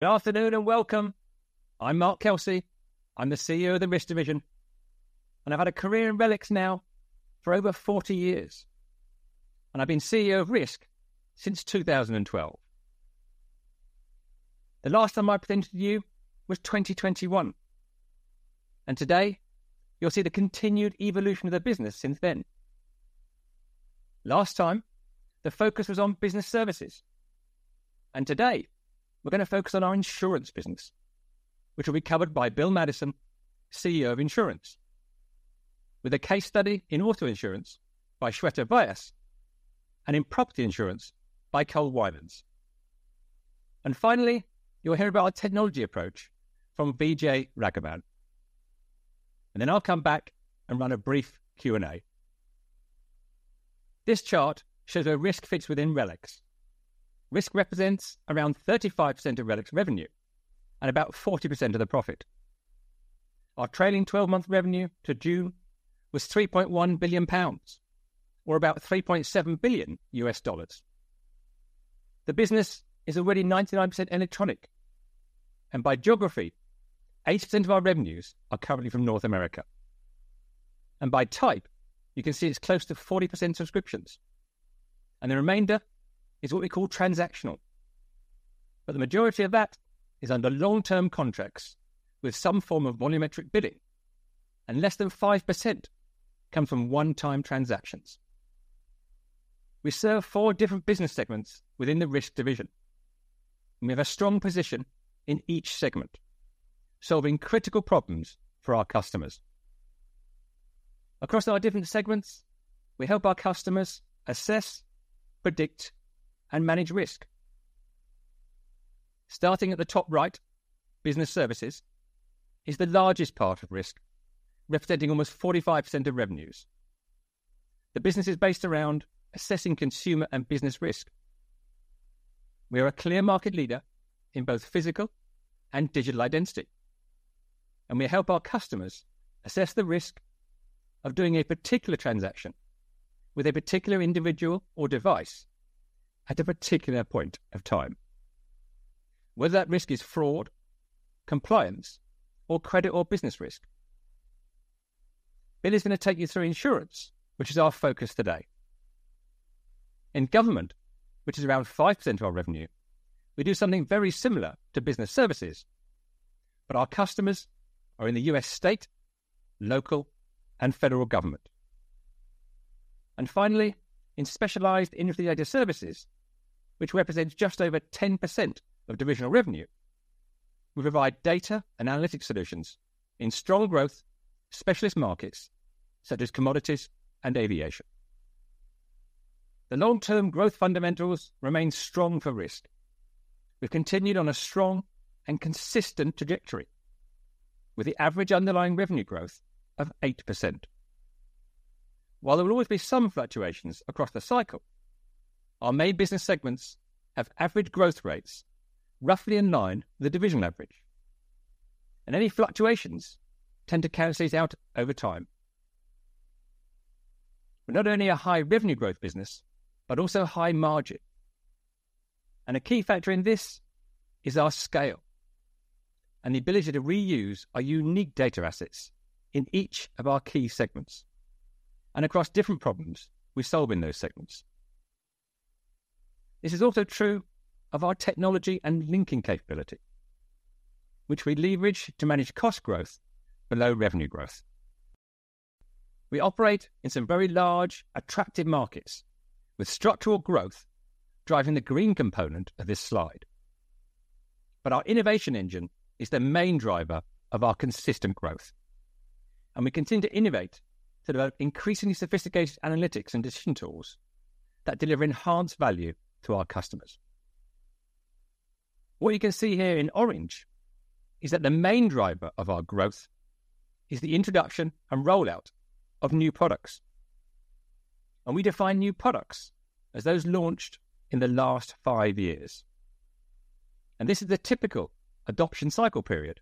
Good afternoon and welcome. I'm Mark Kelsey. I'm the CEO of the Risk Division, and I've had a career in RELX now for over 40 years, and I've been CEO of Risk since 2012. The last time I presented to you was 2021, and today, you'll see the continued evolution of the business since then. Last time, the focus was on Business Services, and today, we're gonna focus on our Insurance business, which will be covered by Bill Madison, CEO of Insurance, with a case study in auto insurance by Shweta Vyas and in property insurance by Cole Winans. And finally, you'll hear about our technology approach from Vijay Raghavan, and then I'll come back and run a brief Q&A. This chart shows where Risk fits within RELX. Risk represents around 35% of RELX revenue and about 40% of the profit. Our trailing twelve-month revenue to June was 3.1 billion pounds, or about $3.7 billion. The business is already 99% electronic, and by geography, 80% of our revenues are currently from North America. By type, you can see it's close to 40% subscriptions, and the remainder is what we call transactional. But the majority of that is under long-term contracts with some form of volumetric billing, and less than 5% come from one-time transactions. We serve four different business segments within the Risk division. We have a strong position in each segment, solving critical problems for our customers. Across our different segments, we help our customers assess, predict, and manage risk. Starting at the top right, s is the largest part of Risk, representing almost 45% of revenues. The business is based around assessing consumer and business risk. We are a clear market leader in both physical and digital identity, and we help our customers assess the risk of doing a particular transaction with a particular individual or device at a particular point of time, whether that risk is fraud, compliance, or credit or business risk. Bill is going to take you through insurance, which is our focus today. In government, which is around 5% of our revenue, we do something very similar to Business Services, but our customers are in the U.S. state, local, and federal government. And finally, in specialized integrated services, which represents just over 10% of divisional revenue, we provide data and analytics solutions in strong growth specialist markets such as commodities and aviation. The long-term growth fundamentals remain strong for Risk. We've continued on a strong and consistent trajectory with the average underlying revenue growth of 8%. While there will always be some fluctuations across the cycle, our main business segments have average growth rates roughly in line with the division average, and any fluctuations tend to cancel it out over time. We're not only a high revenue growth business, but also a high margin, and a key factor in this is our scale and the ability to reuse our unique data assets in each of our key segments and across different problems we solve in those segments. This is also true of our technology and linking capability, which we leverage to manage cost growth below revenue growth. We operate in some very large, attractive markets with structural growth driving the green component of this slide. But our innovation engine is the main driver of our consistent growth, and we continue to innovate, to develop increasingly sophisticated analytics and decision tools that deliver enhanced value to our customers. What you can see here in orange is that the main driver of our growth is the introduction and rollout of new products, and we define new products as those launched in the last five years. This is the typical adoption cycle period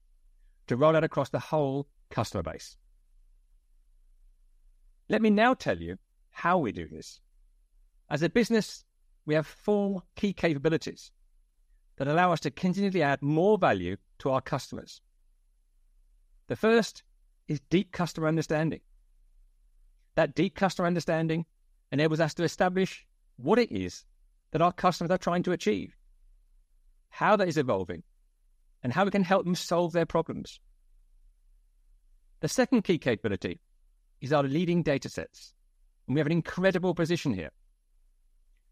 to roll out across the whole customer base. Let me now tell you how we do this. As a business, we have four key capabilities that allow us to continually add more value to our customers. The first is deep customer understanding. That deep customer understanding enables us to establish what it is that our customers are trying to achieve, how that is evolving, and how we can help them solve their problems. The second key capability is our leading datasets, and we have an incredible position here.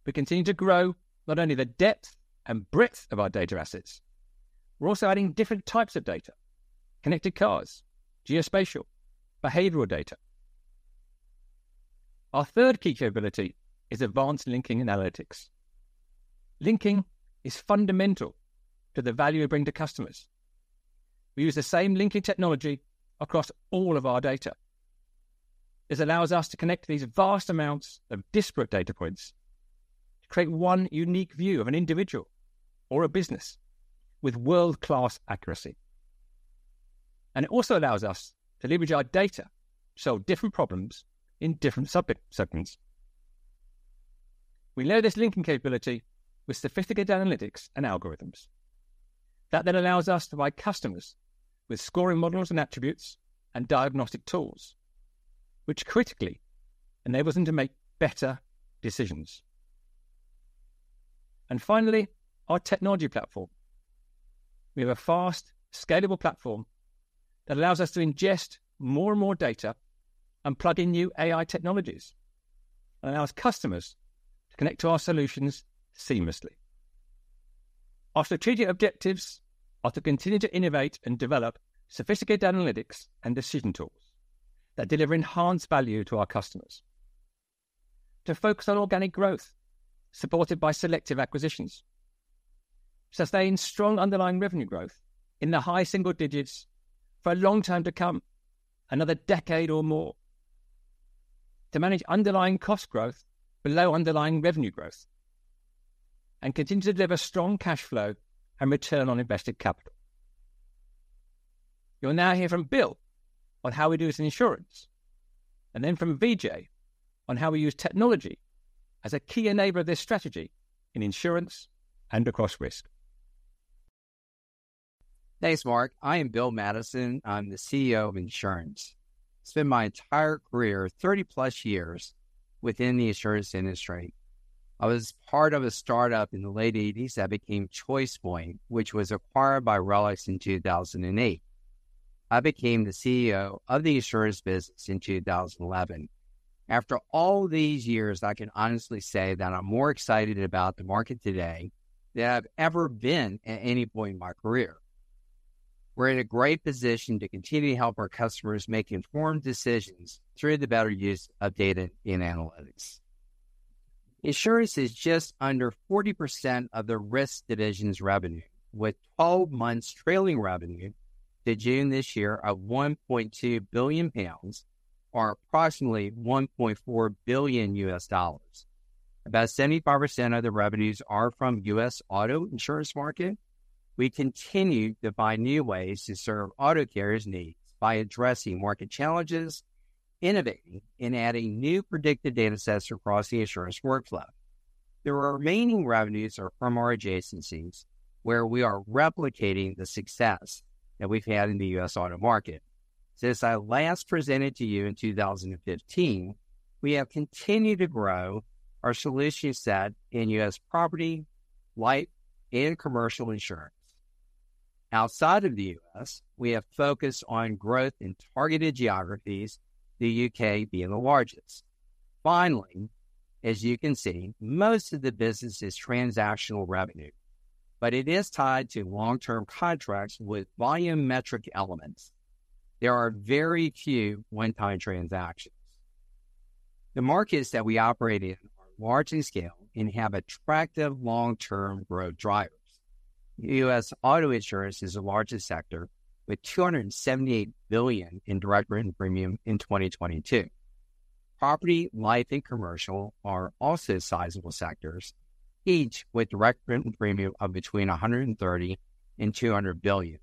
We continue to grow not only the depth and breadth of our data assets, we're also adding different types of data, connected cars, geospatial, behavioral data. Our third key capability is advanced linking analytics. Linking is fundamental to the value we bring to customers. We use the same linking technology across all of our data. This allows us to connect these vast amounts of disparate data points to create one unique view of an individual or a business with world-class accuracy. And it also allows us to leverage our data to solve different problems in different subject segments. We layer this linking capability with sophisticated analytics and algorithms. That then allows us to provide customers with scoring models and attributes and diagnostic tools, which critically enables them to make better decisions. And finally, our technology platform. We have a fast, scalable platform that allows us to ingest more and more data and plug in new AI technologies, and allows customers to connect to our solutions seamlessly. Our strategic objectives are to continue to innovate and develop sophisticated analytics and decision tools that deliver enhanced value to our customers. To focus on organic growth, supported by selective acquisitions. Sustain strong underlying revenue growth in the high single digits for a long time to come, another decade or more. To manage underlying cost growth below underlying revenue growth, and continue to deliver strong cash flow and return on invested capital. You'll now hear from Bill on how we do this in insurance, and then from Vijay on how we use technology as a key enabler of this strategy in insurance and across Risk. Thanks, Mark. I am Bill Madison. I'm the CEO of Insurance. Spent my entire career, 30+ years, within the insurance industry. I was part of a startup in the late 1980s that became ChoicePoint, which was acquired by RELX in 2008. I became the CEO of the insurance business in 2011. After all these years, I can honestly say that I'm more excited about the market today than I've ever been at any point in my career. We're in a great position to continue to help our customers make informed decisions through the better use of data and analytics. Insurance is just under 40% of the Risk division's revenue, with 12 months trailing revenue to June this year of 1.2 billion pounds, or approximately $1.4 billion. About 75% of the revenues are from U.S. auto insurance market. We continue to find new ways to serve auto carriers' needs by addressing market challenges, innovating and adding new predictive data sets across the insurance workflow. The remaining revenues are from our adjacencies, where we are replicating the success that we've had in the U.S. auto market. Since I last presented to you in 2015, we have continued to grow our solution set in U.S. property, life, and commercial insurance. Outside of the U.S., we have focused on growth in targeted geographies, the U.K. being the largest. Finally, as you can see, most of the business is transactional revenue, but it is tied to long-term contracts with volumetric elements. There are very few one-time transactions. The markets that we operate in are large in scale and have attractive long-term growth drivers. U.S. auto insurance is the largest sector, with $278 billion in direct written premium in 2022. Property, life, and commercial are also sizable sectors, each with direct written premium of between $130 billion and $200 billion,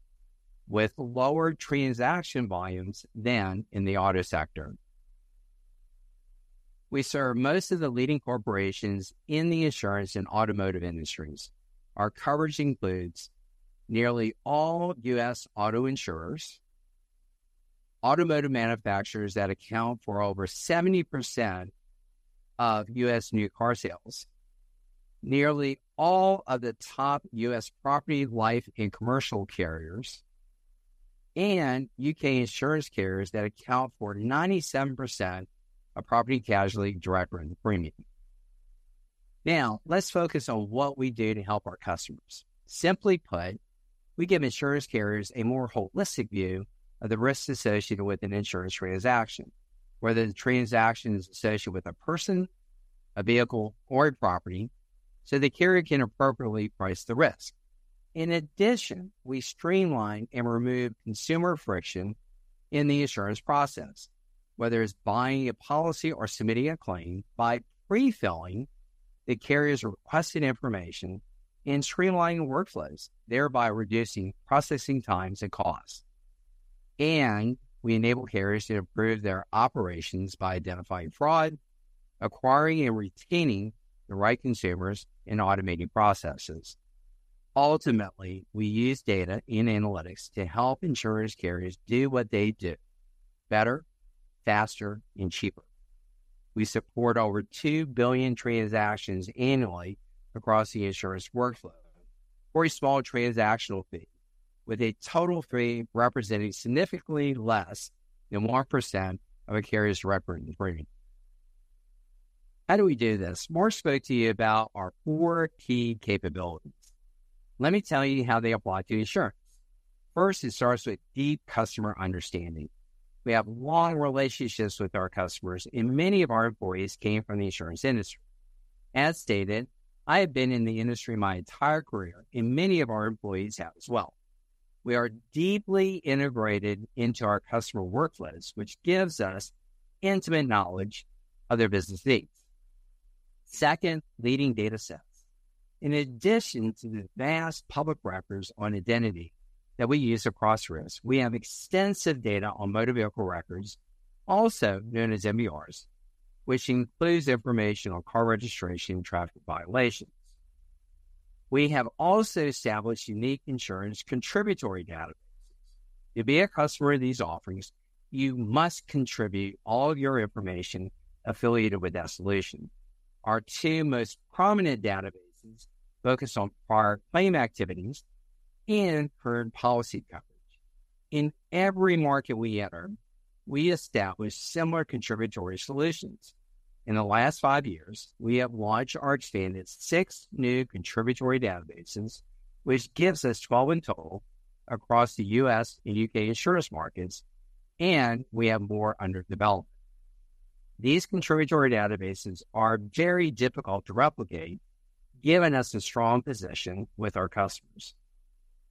with lower transaction volumes than in the auto sector. We serve most of the leading corporations in the insurance and automotive industries. Our coverage includes nearly all U.S. auto insurers, automotive manufacturers that account for over 70% of U.S. new car sales, nearly all of the top U.S. property, life, and commercial carriers, and U.K. insurance carriers that account for 97% of property casualty direct written premium. Now, let's focus on what we do to help our customers. Simply put, we give insurance carriers a more holistic view of the risks associated with an insurance transaction, whether the transaction is associated with a person, a vehicle, or a property, so the carrier can appropriately price the risk. In addition, we streamline and remove consumer friction in the insurance process, whether it's buying a policy or submitting a claim, by pre-filling the carrier's requested information and streamlining workflows, thereby reducing processing times and costs. We enable carriers to improve their operations by identifying fraud, acquiring and retaining the right consumers, and automating processes. Ultimately, we use data and analytics to help insurance carriers do what they do better, faster, and cheaper. We support over 2 billion transactions annually across the insurance workflow for a small transactional fee, with a total fee representing significantly less than 1% of a carrier's direct written premium. How do we do this? Mark spoke to you about our four key capabilities. Let me tell you how they apply to insurance. First, it starts with deep customer understanding. We have long relationships with our customers, and many of our employees came from the insurance industry. As stated, I have been in the industry my entire career, and many of our employees have as well. We are deeply integrated into our customer workflows, which gives us intimate knowledge of their business needs. Second, leading data sets. In addition to the vast public records on identity that we use across risks, we have extensive data on motor vehicle records, also known as MVRs, which includes information on car registration and traffic violations. We have also established unique insurance contributory databases. To be a customer of these offerings, you must contribute all of your information affiliated with that solution. Our two most prominent databases focus on prior claim activities and current policy coverage. In every market we enter, we establish similar contributory solutions. In the last five years, we have launched or expanded six new contributory databases, which gives us 12 in total across the U.S. and U.K. insurance markets, and we have more under development. These contributory databases are very difficult to replicate, giving us a strong position with our customers.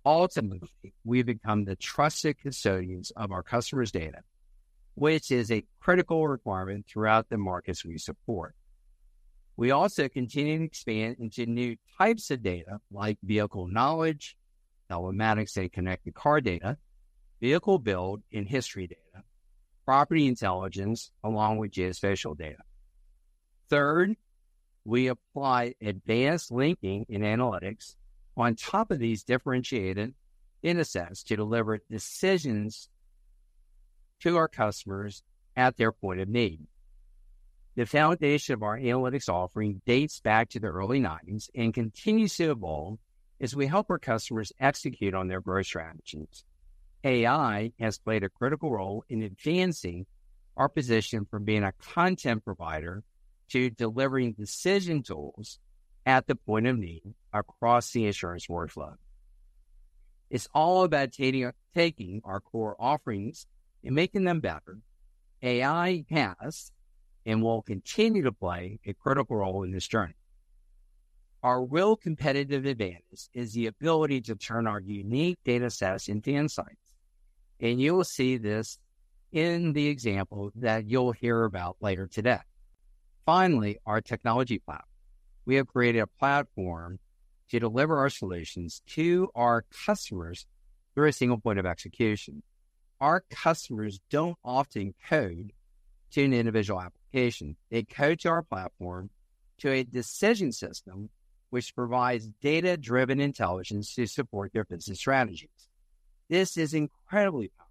Ultimately, we've become the trusted custodians of our customers' data, which is a critical requirement throughout the markets we support. We also continue to expand into new types of data, like vehicle knowledge, telematics and connected car data, vehicle build and history data, property intelligence, along with geospatial data. Third, we apply advanced linking and analytics on top of these differentiated data sets to deliver decisions to our customers at their point of need. The foundation of our analytics offering dates back to the early 1990s and continues to evolve as we help our customers execute on their growth strategies. AI has played a critical role in advancing our position from being a content provider to delivering decision tools at the point of need across the insurance workflow. It's all about taking our core offerings and making them better. AI has and will continue to play a critical role in this journey. Our real competitive advantage is the ability to turn our unique data sets into insights, and you will see this in the example that you'll hear about later today. Finally, our technology platform. We have created a platform to deliver our solutions to our customers through a single point of execution. Our customers don't often code to an individual application. They code to our platform, to a decision system, which provides data-driven intelligence to support their business strategies. This is incredibly powerful.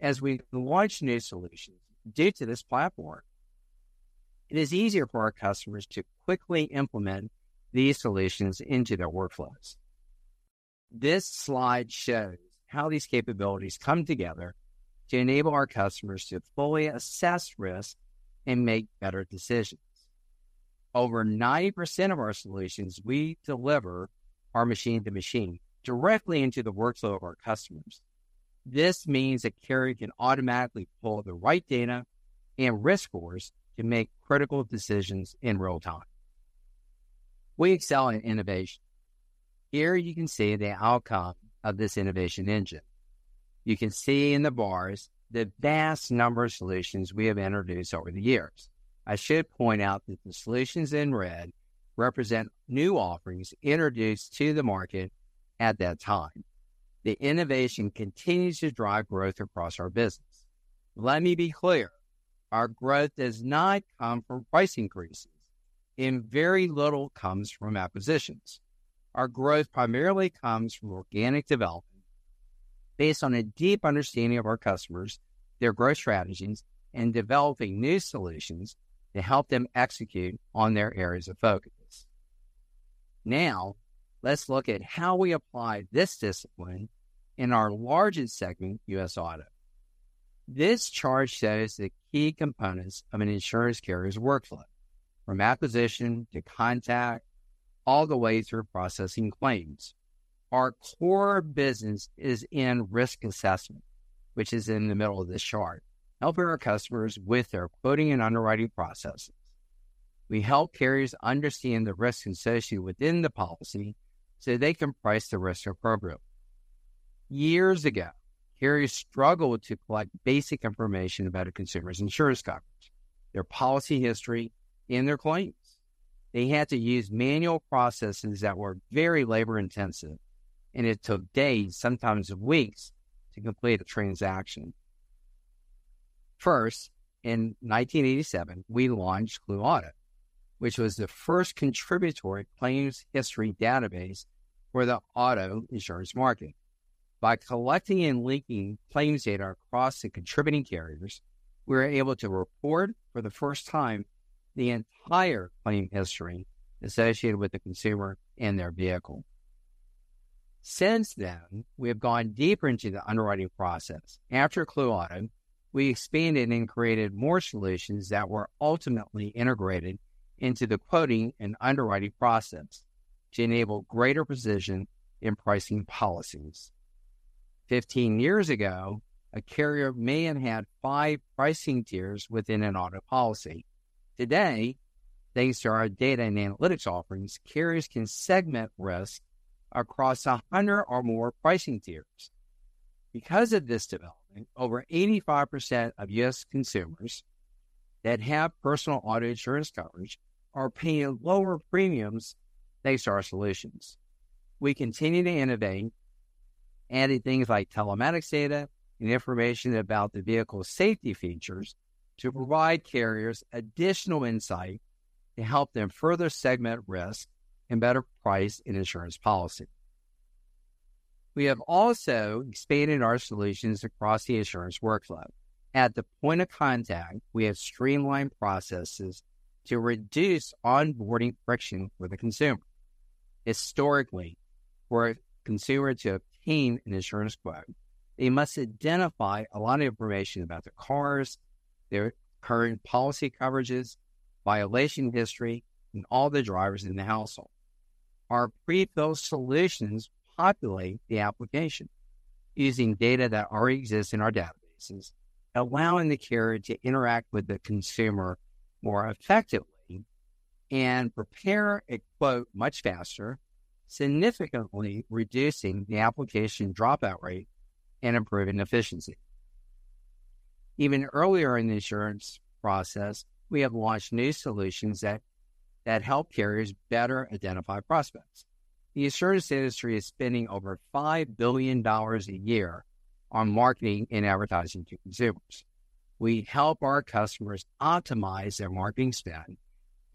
As we launch new solutions, due to this platform, it is easier for our customers to quickly implement these solutions into their workflows. This slide shows how these capabilities come together to enable our customers to fully assess risk and make better decisions. Over 90% of our solutions we deliver are machine to machine, directly into the workflow of our customers. This means a carrier can automatically pull the right data and risk scores to make critical decisions in real time. We excel in innovation. Here you can see the outcome of this innovation engine. You can see in the bars the vast number of solutions we have introduced over the years. I should point out that the solutions in red represent new offerings introduced to the market at that time. The innovation continues to drive growth across our business. Let me be clear, our growth does not come from price increases, and very little comes from acquisitions. Our growth primarily comes from organic development based on a deep understanding of our customers, their growth strategies, and developing new solutions to help them execute on their areas of focus. Now, let's look at how we apply this discipline in our largest segment, U.S. Auto. This chart shows the key components of an insurance carrier's workflow, from acquisition to contact, all the way through processing claims. Our core business is in risk assessment, which is in the middle of this chart, helping our customers with their quoting and underwriting processes. We help carriers understand the risk associated within the policy, so they can price the risk appropriately. Years ago, carriers struggled to collect basic information about a consumer's insurance coverage, their policy history, and their claims. They had to use manual processes that were very labor-intensive, and it took days, sometimes weeks, to complete a transaction. First, in 1987, we launched C.L.U.E. Auto, which was the first contributory claims history database for the auto insurance market. By collecting and linking claims data across the contributing carriers, we were able to report for the first time, the entire claim history associated with the consumer and their vehicle. Since then, we have gone deeper into the underwriting process. After C.L.U.E. Auto, we expanded and created more solutions that were ultimately integrated into the quoting and underwriting process to enable greater precision in pricing policies. 15 years ago, a carrier may have had five pricing tiers within an auto policy. Today, thanks to our data and analytics offerings, carriers can segment risk across 100 or more pricing tiers. Because of this development, over 85% of U.S. consumers that have personal auto insurance coverage are paying lower premiums, thanks to our solutions. We continue to innovate, adding things like telematics data and information about the vehicle's safety features to provide carriers additional insight to help them further segment risk and better price an insurance policy. We have also expanded our solutions across the insurance workflow. At the point of contact, we have streamlined processes to reduce onboarding friction with the consumer. Historically, for a consumer to obtain an insurance quote, they must identify a lot of information about their cars, their current policy coverages, violation history, and all the drivers in the household. Our pre-filled solutions populate the application using data that already exists in our databases, allowing the carrier to interact with the consumer more effectively and prepare a quote much faster, significantly reducing the application dropout rate and improving efficiency. Even earlier in the insurance process, we have launched new solutions that help carriers better identify prospects. The insurance industry is spending over $5 billion a year on marketing and advertising to consumers. We help our customers optimize their marketing spend,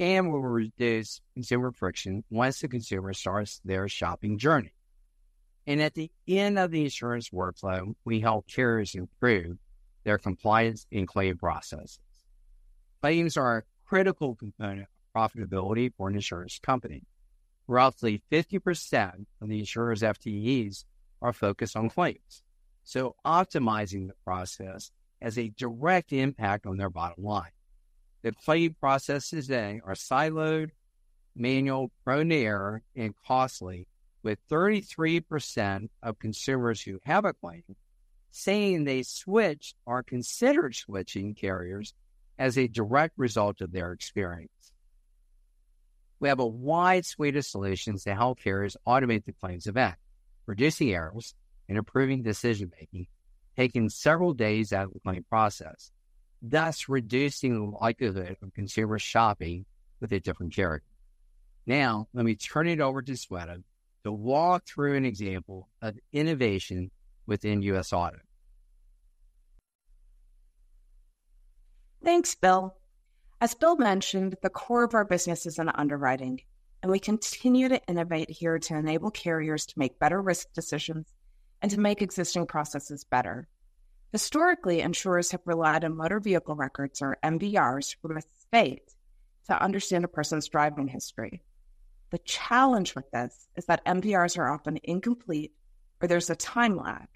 and we reduce consumer friction once the consumer starts their shopping journey. At the end of the insurance workflow, we help carriers improve their compliance and claim processes. Claims are a critical component of profitability for an insurance company. Roughly 50% of the insurer's FTEs are focused on claims, so optimizing the process has a direct impact on their bottom line. The claim processes today are siloed, manual, prone to error, and costly, with 33% of consumers who have a claim saying they switched or considered switching carriers as a direct result of their experience. We have a wide suite of solutions to help carriers automate the claims event, reducing errors and improving decision-making, taking several days out of the claim process, thus reducing the likelihood of consumer shopping with a different carrier. Now, let me turn it over to Shweta to walk through an example of innovation within U.S. Auto. Thanks, Bill. As Bill mentioned, the core of our business is in underwriting, and we continue to innovate here to enable carriers to make better risk decisions and to make existing processes better. Historically, insurers have relied on motor vehicle records, or MVRs, for the state to understand a person's driving history. The challenge with this is that MVRs are often incomplete or there's a time lag.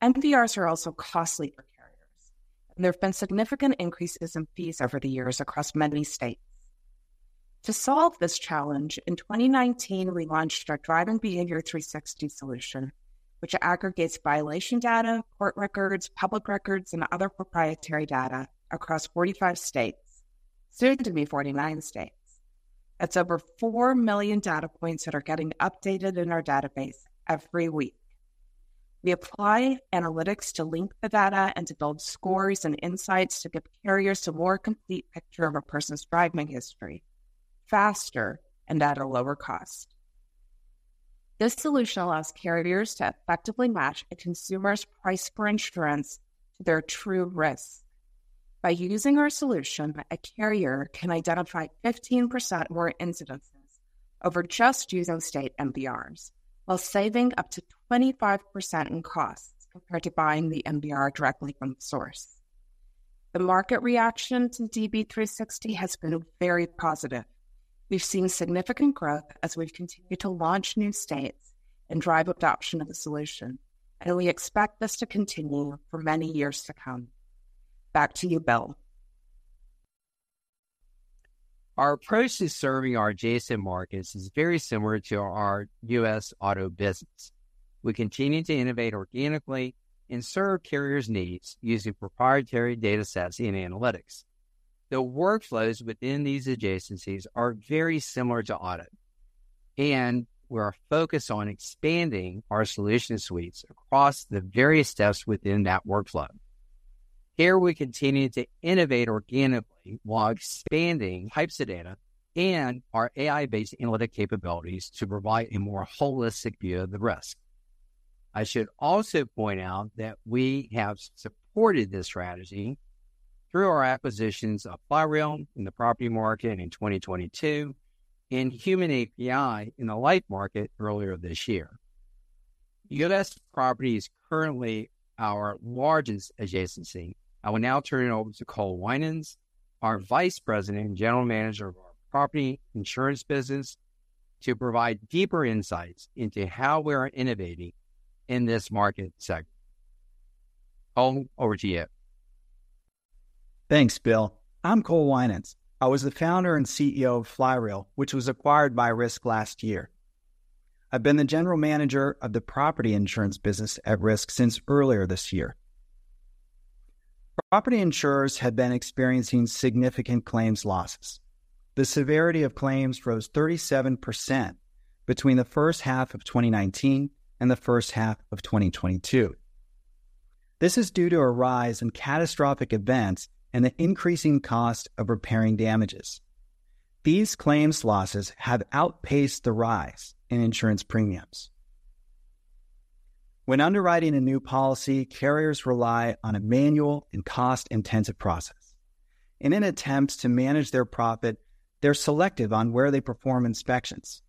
MVRs are also costly for carriers, and there have been significant increases in fees over the years across many states. To solve this challenge, in 2019, we launched our Driving Behavior 360 solution, which aggregates violation data, court records, public records, and other proprietary data across 45 states, soon to be 49 states. That's over 4 million data points that are getting updated in our database every week. We apply analytics to link the data and to build scores and insights to give carriers a more complete picture of a person's driving history, faster and at a lower cost. This solution allows carriers to effectively match a consumer's price for insurance to their true risk. By using our solution, a carrier can identify 15% more incidences over just using state MVRs, while saving up to 25% in costs compared to buying the MVR directly from the source. The market reaction to DB 360 has been very positive. We've seen significant growth as we've continued to launch new states and drive adoption of the solution, and we expect this to continue for many years to come. Back to you, Bill. Our approach to serving our adjacent markets is very similar to our US Auto business. We continue to innovate organically and serve carriers' needs using proprietary data sets and analytics. The workflows within these adjacencies are very similar to auto, and we're focused on expanding our solution suites across the various steps within that workflow. Here we continue to innovate organically while expanding types of data and our AI-based analytic capabilities to provide a more holistic view of the risk. I should also point out that we have supported this strategy through our acquisitions of Flyreel in the property market in 2022 and Human API in the life market earlier this year. US Property is currently our largest adjacency. I will now turn it over to Cole Winans, our Vice President and General Manager of our Property Insurance business, to provide deeper insights into how we are innovating in this market segment. Cole, over to you. Thanks, Bill. I'm Cole Winans. I was the founder and CEO of Flyreel, which was acquired by Risk last year. I've been the General Manager of the Property Insurance business at Risk since earlier this year. Property insurers have been experiencing significant claims losses. The severity of claims rose 37% between the first half of 2019 and the first half of 2022. This is due to a rise in catastrophic events and the increasing cost of repairing damages. These claims losses have outpaced the rise in insurance premiums. When underwriting a new policy, carriers rely on a manual and cost-intensive process. In attempts to manage their profit, they're selective on where they perform inspections.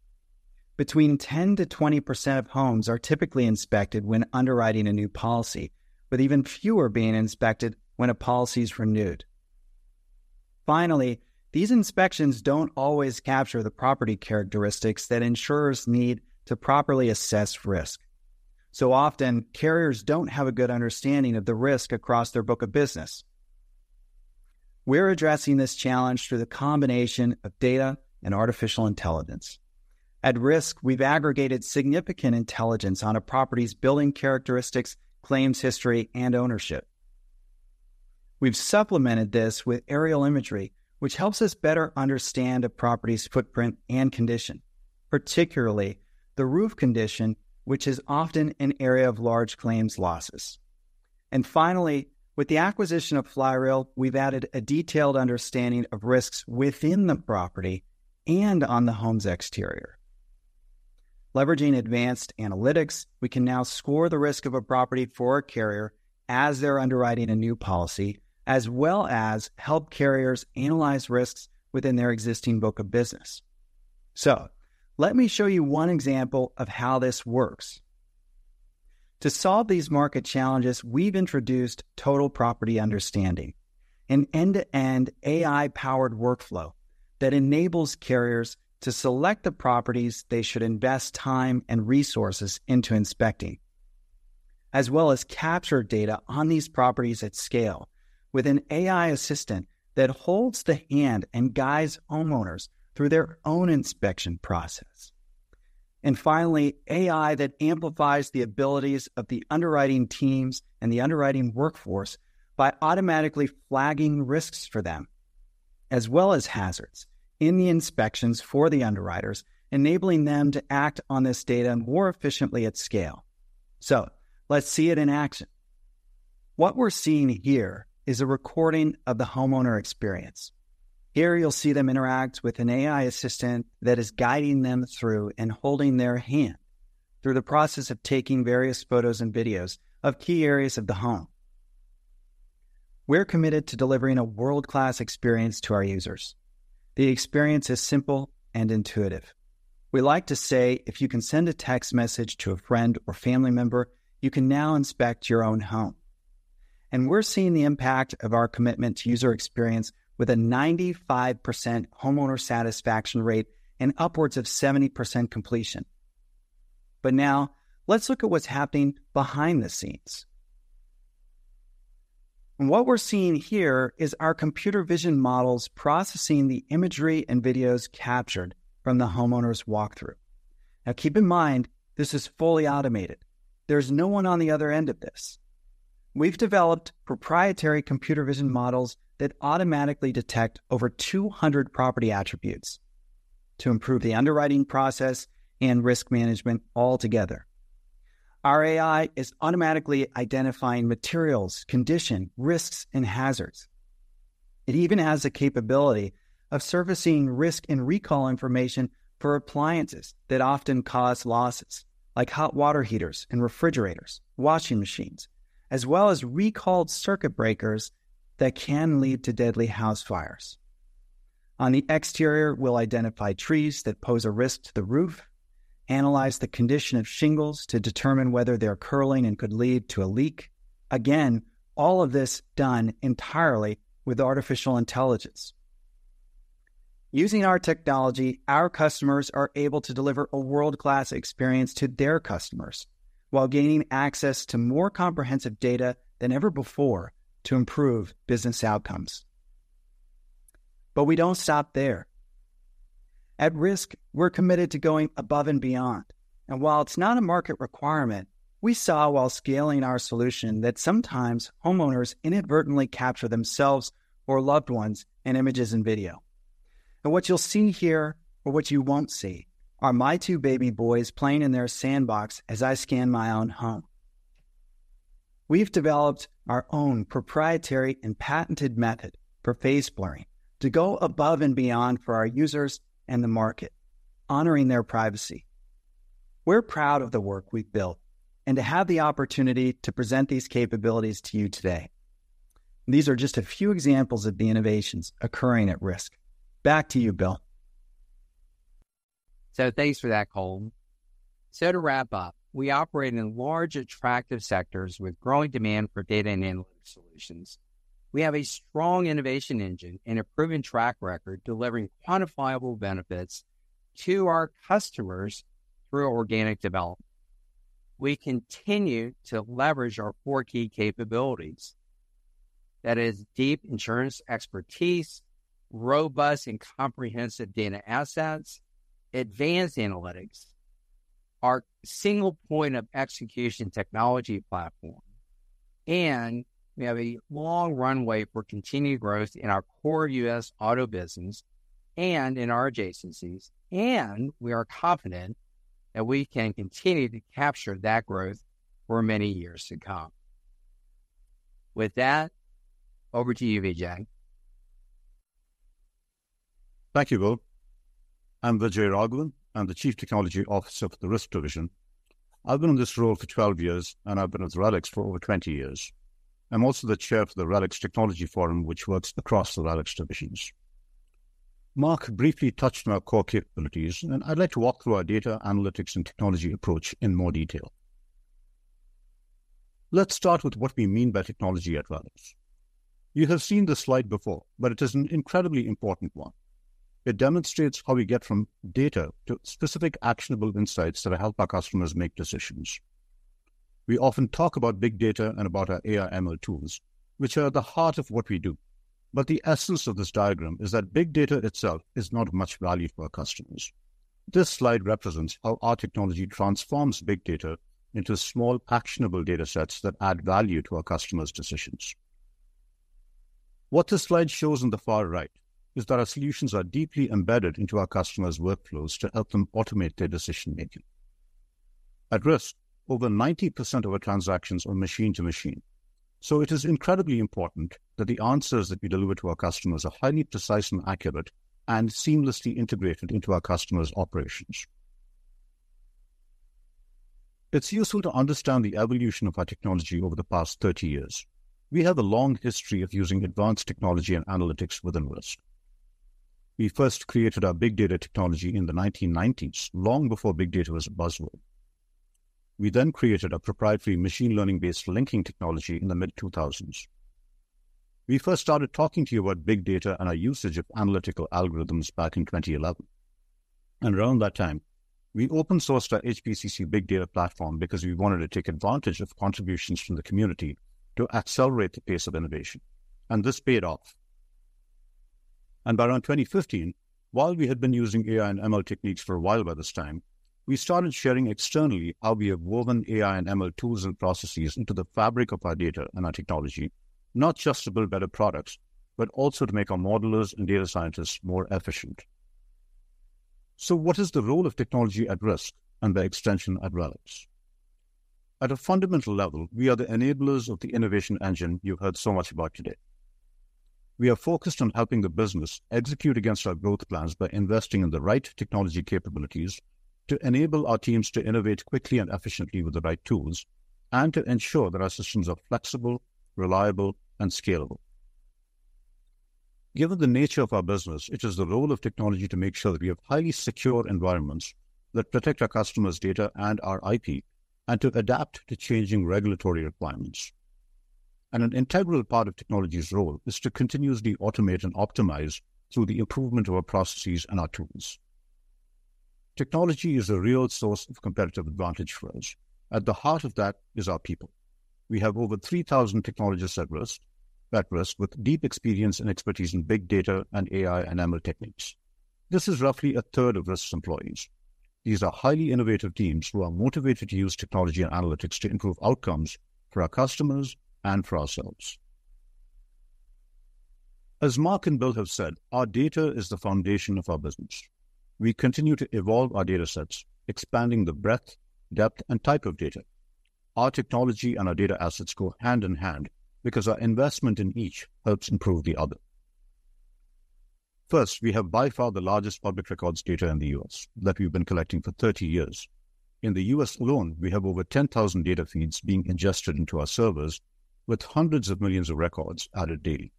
Between 10%-20% of homes are typically inspected when underwriting a new policy, with even fewer being inspected when a policy's renewed. Finally, these inspections don't always capture the property characteristics that insurers need to properly assess risk. So often, carriers don't have a good understanding of the risk across their book of business. We're addressing this challenge through the combination of data and artificial intelligence. At Risk, we've aggregated significant intelligence on a property's building characteristics, claims history, and ownership. We've supplemented this with aerial imagery, which helps us better understand a property's footprint and condition, particularly the roof condition, which is often an area of large claims losses. And finally, with the acquisition of Flyreel, we've added a detailed understanding of risks within the property and on the home's exterior. Leveraging advanced analytics, we can now score the risk of a property for a carrier as they're underwriting a new policy, as well as help carriers analyze risks within their existing book of business. Let me show you one example of how this works. To solve these market challenges, we've introduced Total Property Understanding, an end-to-end AI-powered workflow that enables carriers to select the properties they should invest time and resources into inspecting, as well as capture data on these properties at scale with an AI assistant that holds the hand and guides homeowners through their own inspection process. And finally, AI that amplifies the abilities of the underwriting teams and the underwriting workforce by automatically flagging risks for them, as well as hazards in the inspections for the underwriters, enabling them to act on this data more efficiently at scale. Let's see it in action. What we're seeing here is a recording of the homeowner experience. Here, you'll see them interact with an AI assistant that is guiding them through and holding their hand through the process of taking various photos and videos of key areas of the home. We're committed to delivering a world-class experience to our users. The experience is simple and intuitive. We like to say: "If you can send a text message to a friend or family member, you can now inspect your own home." And we're seeing the impact of our commitment to user experience with a 95% homeowner satisfaction rate and upwards of 70% completion. But now, let's look at what's happening behind the scenes. And what we're seeing here is our computer vision models processing the imagery and videos captured from the homeowner's walkthrough. Now, keep in mind, this is fully automated. There's no one on the other end of this. We've developed proprietary computer vision models that automatically detect over 200 property attributes to improve the underwriting process and risk management altogether. Our AI is automatically identifying materials, condition, risks, and hazards. It even has the capability of servicing risk and recall information for appliances that often cause losses, like hot water heaters and refrigerators, washing machines, as well as recalled circuit breakers that can lead to deadly house fires. On the exterior, we'll identify trees that pose a risk to the roof, analyze the condition of shingles to determine whether they're curling and could lead to a leak. Again, all of this done entirely with artificial intelligence. Using our technology, our customers are able to deliver a world-class experience to their customers while gaining access to more comprehensive data than ever before to improve business outcomes. But we don't stop there. At Risk, we're committed to going above and beyond, and while it's not a market requirement, we saw while scaling our solution that sometimes homeowners inadvertently capture themselves or loved ones in images and video. And what you'll see here, or what you won't see, are my two baby boys playing in their sandbox as I scan my own home. We've developed our own proprietary and patented method for face blurring to go above and beyond for our users and the market, honoring their privacy. We're proud of the work we've built and to have the opportunity to present these capabilities to you today. These are just a few examples of the innovations occurring at Risk. Back to you, Bill. So thanks for that, Cole. So to wrap up, we operate in large, attractive sectors with growing demand for data and analytics solutions. We have a strong innovation engine and a proven track record delivering quantifiable benefits to our customers through organic development. We continue to leverage our four key capabilities. That is, deep insurance expertise, robust and comprehensive data assets, advanced analytics, our single point of execution technology platform, and we have a long runway for continued growth in our core U.S. auto business and in our adjacencies, and we are confident that we can continue to capture that growth for many years to come. With that, over to you, Vijay. Thank you, Bill. I'm Vijay Raghavan. I'm the Chief Technology Officer for the Risk Division. I've been in this role for 12 years, and I've been with RELX for over 20 years. I'm also the Chair for the RELX Technology Forum, which works across the RELX divisions. Mark briefly touched on our core capabilities, and I'd like to walk through our data, analytics, and technology approach in more detail. Let's start with what we mean by technology at RELX. You have seen this slide before, but it is an incredibly important one. It demonstrates how we get from data to specific, actionable insights that help our customers make decisions. We often talk about big data and about our AI/ML tools, which are at the heart of what we do. But the essence of this diagram is that big data itself is not of much value to our customers. This slide represents how our technology transforms big data into small, actionable data sets that add value to our customers' decisions. What this slide shows on the far right is that our solutions are deeply embedded into our customers' workflows to help them automate their decision-making. At Risk, over 90% of our transactions are machine to machine, so it is incredibly important that the answers that we deliver to our customers are highly precise and accurate, and seamlessly integrated into our customers' operations. It's useful to understand the evolution of our technology over the past 30 years. We have a long history of using advanced technology and analytics within Risk. We first created our big data technology in the 1990s, long before big data was a buzzword. We then created a proprietary machine learning-based linking technology in the mid-2000s. We first started talking to you about big data and our usage of analytical algorithms back in 2011, and around that time, we open-sourced our HPCC big data platform because we wanted to take advantage of contributions from the community to accelerate the pace of innovation. This paid off. By around 2015, while we had been using AI and ML techniques for a while by this time, we started sharing externally how we have woven AI and ML tools and processes into the fabric of our data and our technology, not just to build better products, but also to make our modelers and data scientists more efficient. So what is the role of technology at Risk, and by extension, at RELX? At a fundamental level, we are the enablers of the innovation engine you've heard so much about today. We are focused on helping the business execute against our growth plans by investing in the right technology capabilities to enable our teams to innovate quickly and efficiently with the right tools, and to ensure that our systems are flexible, reliable, and scalable. Given the nature of our business, it is the role of technology to make sure that we have highly secure environments that protect our customers' data and our IP, and to adapt to changing regulatory requirements. An integral part of technology's role is to continuously automate and optimize through the improvement of our processes and our tools. Technology is a real source of competitive advantage for us. At the heart of that is our people. We have over 3,000 technologists at Risk, at Risk, with deep experience and expertise in big data and AI and ML techniques. This is roughly a third of Risk's employees. These are highly innovative teams who are motivated to use technology and analytics to improve outcomes for our customers and for ourselves. As Mark and Bill have said, our data is the foundation of our business. We continue to evolve our data sets, expanding the breadth, depth, and type of data. Our technology and our data assets go hand in hand because our investment in each helps improve the other. First, we have by far the largest public records data in the U.S. that we've been collecting for 30 years. In the U.S. alone, we have over 10,000 data feeds being ingested into our servers, with hundreds of millions of records added daily.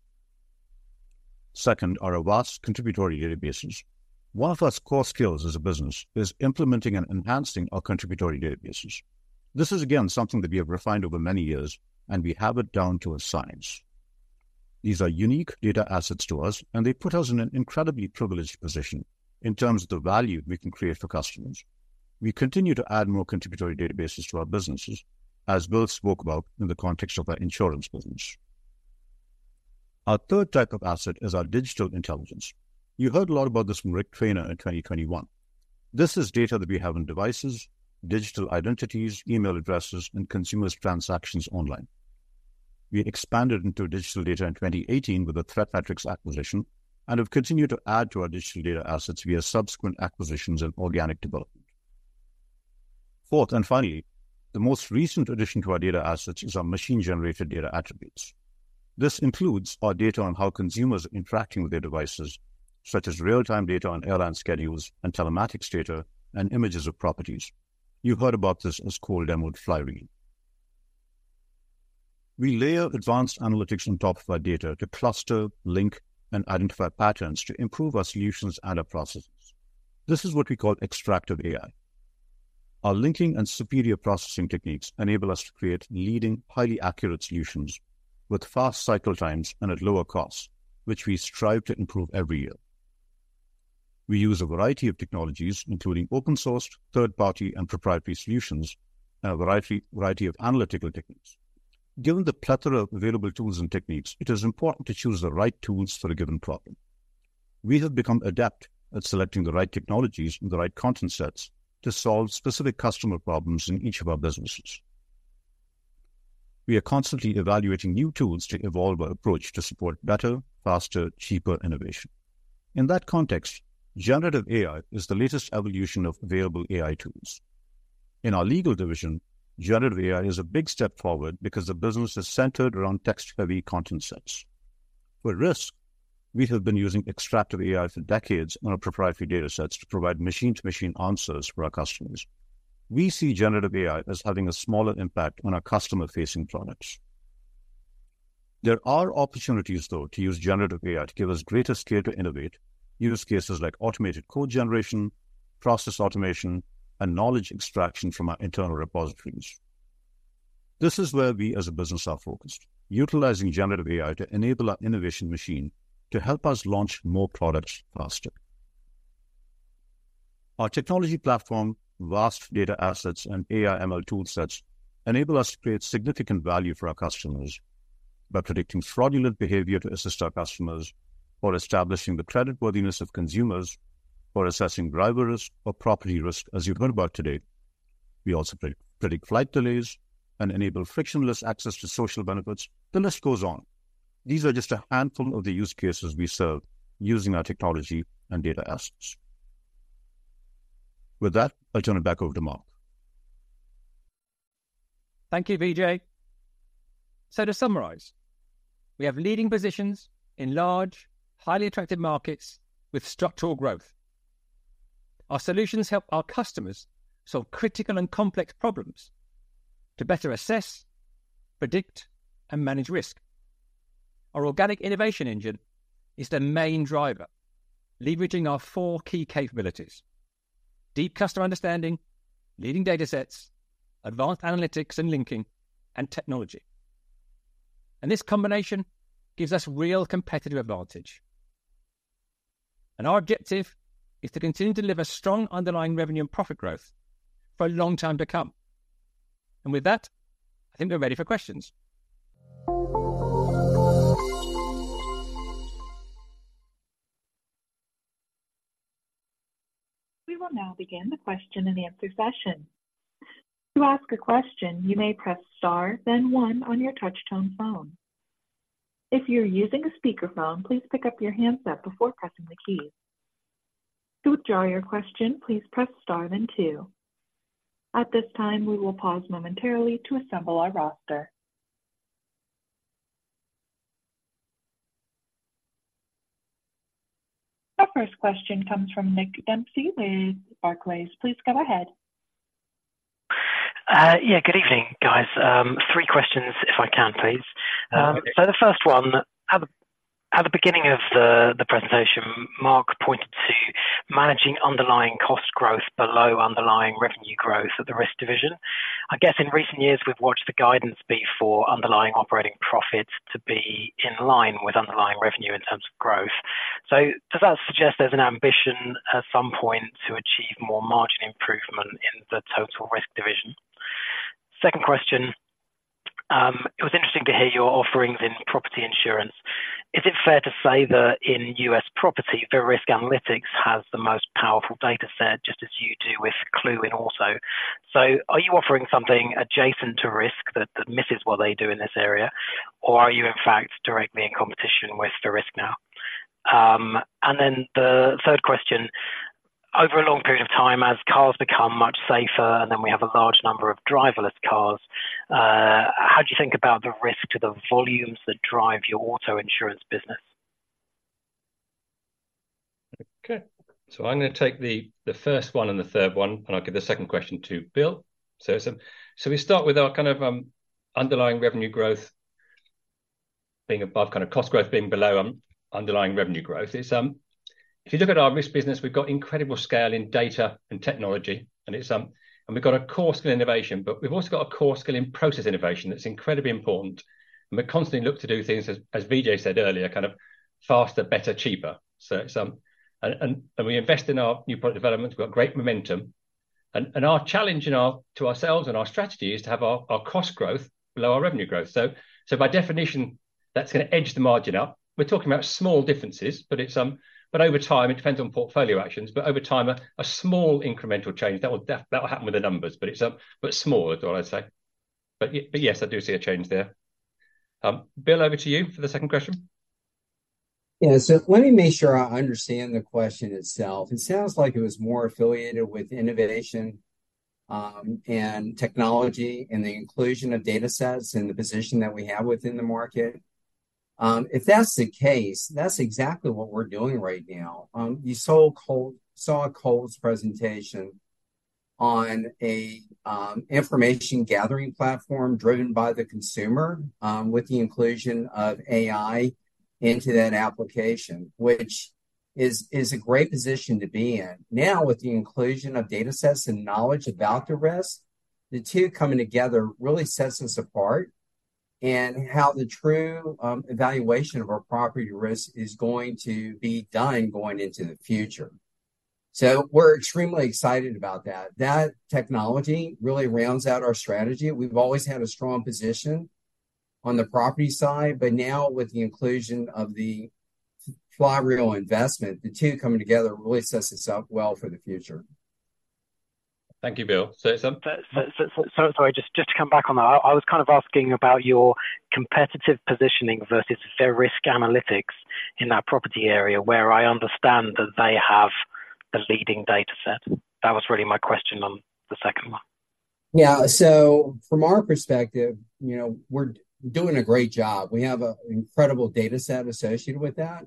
Second, are our vast contributory databases. One of our core skills as a business is implementing and enhancing our contributory databases. This is, again, something that we have refined over many years, and we have it down to a science. These are unique data assets to us, and they put us in an incredibly privileged position in terms of the value we can create for customers. We continue to add more contributory databases to our businesses, as Bill spoke about in the context of our insurance business. Our third type of asset is our digital intelligence. You heard a lot about this from Rick Trainor in 2021. This is data that we have on devices, digital identities, email addresses, and consumers' transactions online. We expanded into digital data in 2018 with the ThreatMetrix acquisition and have continued to add to our digital data assets via subsequent acquisitions and organic development. Fourth, and finally, the most recent addition to our data assets is our machine-generated data attributes. This includes our data on how consumers are interacting with their devices, such as real-time data on airline schedules and telematics data, and images of properties. You heard about this as Flyreel. We layer advanced analytics on top of our data to cluster, link, and identify patterns to improve our solutions and our processes. This is what we call extractive AI. Our linking and superior processing techniques enable us to create leading, highly accurate solutions with fast cycle times and at lower costs, which we strive to improve every year. We use a variety of technologies, including open-sourced, third-party, and proprietary solutions, and a variety of analytical techniques. Given the plethora of available tools and techniques, it is important to choose the right tools for a given problem. We have become adept at selecting the right technologies and the right content sets to solve specific customer problems in each of our businesses. We are constantly evaluating new tools to evolve our approach to support better, faster, cheaper innovation. In that context, generative AI is the latest evolution of available AI tools. In our legal division, generative AI is a big step forward because the business is centered around text-heavy content sets. For risk, we have been using extractive AI for decades on our proprietary data sets to provide machine-to-machine answers for our customers. We see generative AI as having a smaller impact on our customer-facing products. There are opportunities, though, to use generative AI to give us greater scale to innovate, use cases like automated code generation, process automation, and knowledge extraction from our internal repositories. This is where we as a business are focused, utilizing generative AI to enable our innovation machine to help us launch more products faster. Our technology platform, vast data assets, and AI/ML tool sets enable us to create significant value for our customers by predicting fraudulent behavior to assist our customers or establishing the creditworthiness of consumers, or assessing driver risk or property risk, as you've heard about today. We also predict flight delays and enable frictionless access to social benefits. The list goes on. These are just a handful of the use cases we serve using our technology and data assets. With that, I'll turn it back over to Mark. Thank you, Vijay. To summarize, we have leading positions in large, highly attractive markets with structural growth. Our solutions help our customers solve critical and complex problems to better assess, predict, and manage risk. Our organic innovation engine is the main driver, leveraging our four key capabilities: deep customer understanding, leading data sets, advanced analytics and linking, and technology. This combination gives us real competitive advantage. Our objective is to continue to deliver strong underlying revenue and profit growth for a long time to come. With that, I think we're ready for questions. We will now begin the question and answer session. To ask a question, you may press star, then one on your touchtone phone. If you're using a speakerphone, please pick up your handset before pressing the keys. To withdraw your question, please press star then two. At this time, we will pause momentarily to assemble our roster. Our first question comes from Nick Dempsey with Barclays. Please go ahead. Yeah, good evening, guys. Three questions, if I can, please. So the first one, at the beginning of the presentation, Mark pointed to managing underlying cost growth below underlying revenue growth at the risk division. I guess in recent years, we've watched the guidance be for underlying operating profits to be in line with underlying revenue in terms of growth. So does that suggest there's an ambition at some point to achieve more margin improvement in the total risk division? Second question, it was interesting to hear your offerings in property insurance. Is it fair to say that in U.S. property, Verisk Analytics has the most powerful data set, just as you do with Clue in Auto? So are you offering something adjacent to Risk that misses what they do in this area, or are you in fact directly in competition with Verisk now? And then the third question: over a long period of time, as cars become much safer, and then we have a large number of driverless cars, how do you think about the risk to the volumes that drive your auto insurance business? Okay, so I'm gonna take the first one and the third one, and I'll give the second question to Bill. So we start with our kind of underlying revenue growth being above kind of cost growth being below underlying revenue growth. It's. If you look at our Risk business, we've got incredible scale in data and technology, and we've got a core skill in innovation, but we've also got a core skill in process innovation that's incredibly important, and we constantly look to do things, as Vijay said earlier, kind of faster, better, cheaper. So it's. And we invest in our new product development. We've got great momentum, and our challenge to ourselves and our strategy is to have our cost growth below our revenue growth. So by definition, that's gonna edge the margin up. We're talking about small differences, but it's but over time, it depends on portfolio actions, but over time, a small incremental change. That will that will happen with the numbers, but it's but small is what I'd say. But yes, I do see a change there. Bill, over to you for the second question. Yeah. So let me make sure I understand the question itself. It sounds like it was more affiliated with innovation, and technology and the inclusion of data sets and the position that we have within the market. If that's the case, that's exactly what we're doing right now. You saw Cole's presentation on a information gathering platform driven by the consumer, with the inclusion of AI into that application, which is a great position to be in. Now, with the inclusion of data sets and knowledge about the risk, the two coming together really sets us apart in how the true evaluation of our property risk is going to be done going into the future. So we're extremely excited about that. That technology really rounds out our strategy. We've always had a strong position on the property side, but now with the inclusion of the Flyreel investment, the two coming together really sets us up well for the future. Thank you, Bill. So, Sam? So sorry, just to come back on that. I was kind of asking about your competitive positioning versus Verisk Analytics in that property area, where I understand that they have the leading data set. That was really my question on the second one. Yeah. So from our perspective, you know, we're doing a great job. We have an incredible data set associated with that.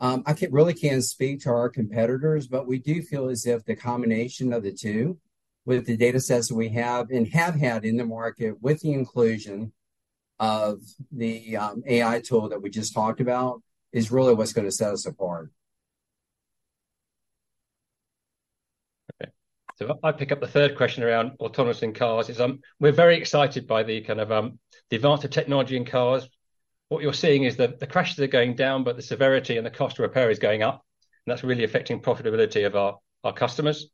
I can't, really can't speak to our competitors, but we do feel as if the combination of the two, with the data sets that we have and have had in the market, with the inclusion of the AI tool that we just talked about, is really what's gonna set us apart. Okay. So if I pick up the third question around autonomous and cars is, we're very excited by the kind of, the advance of technology in cars. What you're seeing is the, the crashes are going down, but the severity and the cost to repair is going up, and that's really affecting profitability of our, our customers.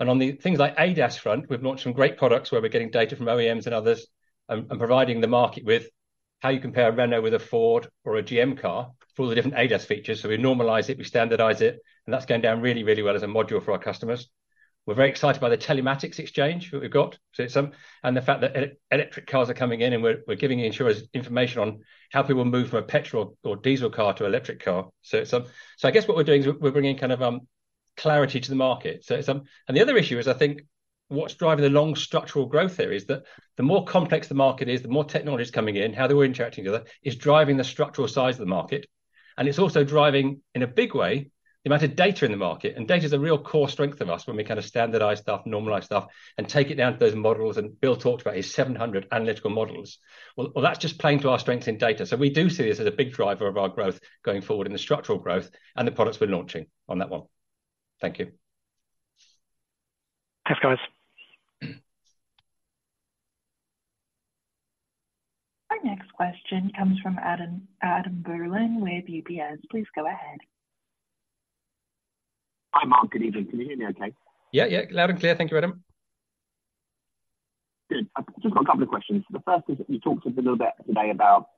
And on the things like ADAS front, we've launched some great products where we're getting data from OEMs and others, and, and providing the market with how you compare a Renault with a Ford or a GM car for all the different ADAS features. So we normalize it, we standardize it, and that's going down really, really well as a module for our customers. We're very excited by the telematics exchange that we've got, so some... The fact that electric cars are coming in, and we're giving insurers information on how people move from a petrol or diesel car to electric car. So, I guess what we're doing is we're bringing kind of clarity to the market. So, and the other issue is, I think, what's driving the long structural growth here is that the more complex the market is, the more technology is coming in, how they're all interacting together is driving the structural size of the market, and it's also driving, in a big way, the amount of data in the market. And data is a real core strength of us when we kind of standardise stuff, normalise stuff, and take it down to those models, and Bill talked about his 700 analytical models. Well, that's just playing to our strengths in data. We do see this as a big driver of our growth going forward in the structural growth and the products we're launching on that one. Thank you. Thanks, guys. Our next question comes from Adam, Adam Berlin with UBS. Please go ahead. Hi, Mark. Good evening. Can you hear me okay? Yeah, yeah, loud and clear. Thank you, Adam. Good. I've just got a couple of questions. The first is, you talked a little bit today about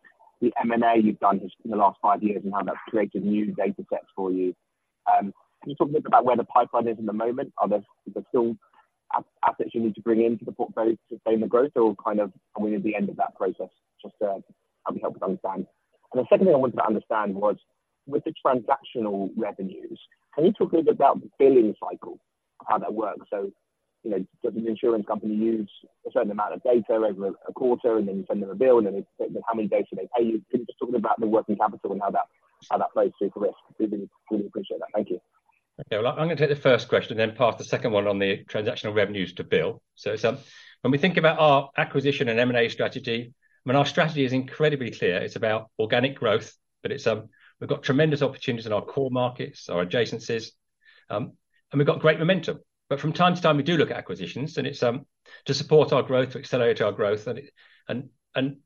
the M&A you've done just in the last five years and how that's created new data sets for you. Can you talk a bit about where the pipeline is in the moment? Are there still assets you need to bring into the portfolio to sustain the growth or kind of are we at the end of that process? Just to help us understand. And the second thing I wanted to understand was, with the transactional revenues, can you talk a little about the billing cycle, how that works? So, you know, does an insurance company use a certain amount of data over a quarter, and then you send them a bill, and then how many days do they pay you? Can you just talk about the working capital and how that, how that flows through for us? We'd really, really appreciate that. Thank you. Okay, well, I'm gonna take the first question, then pass the second one on the transactional revenues to Bill. So, when we think about our acquisition and M&A strategy, I mean, our strategy is incredibly clear. It's about organic growth, but it's, we've got tremendous opportunities in our core markets, our adjacencies, and we've got great momentum. But from time to time, we do look at acquisitions, and it's, to support our growth, to accelerate our growth. And, and, and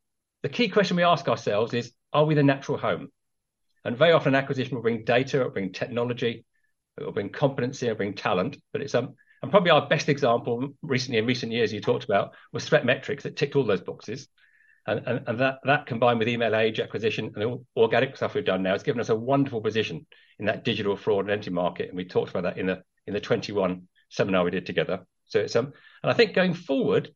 the key question we ask ourselves is: Are we the natural home? And very often acquisition will bring data, it'll bring technology, it'll bring competency, it'll bring talent, but it's and probably our best example recently, in recent years, you talked about was ThreatMetrix that ticked all those boxes. And that combined with Emailage acquisition and the organic stuff we've done now has given us a wonderful position in that digital fraud and identity market, and we talked about that in the 2021 seminar we did together. So, it's. And I think going forward,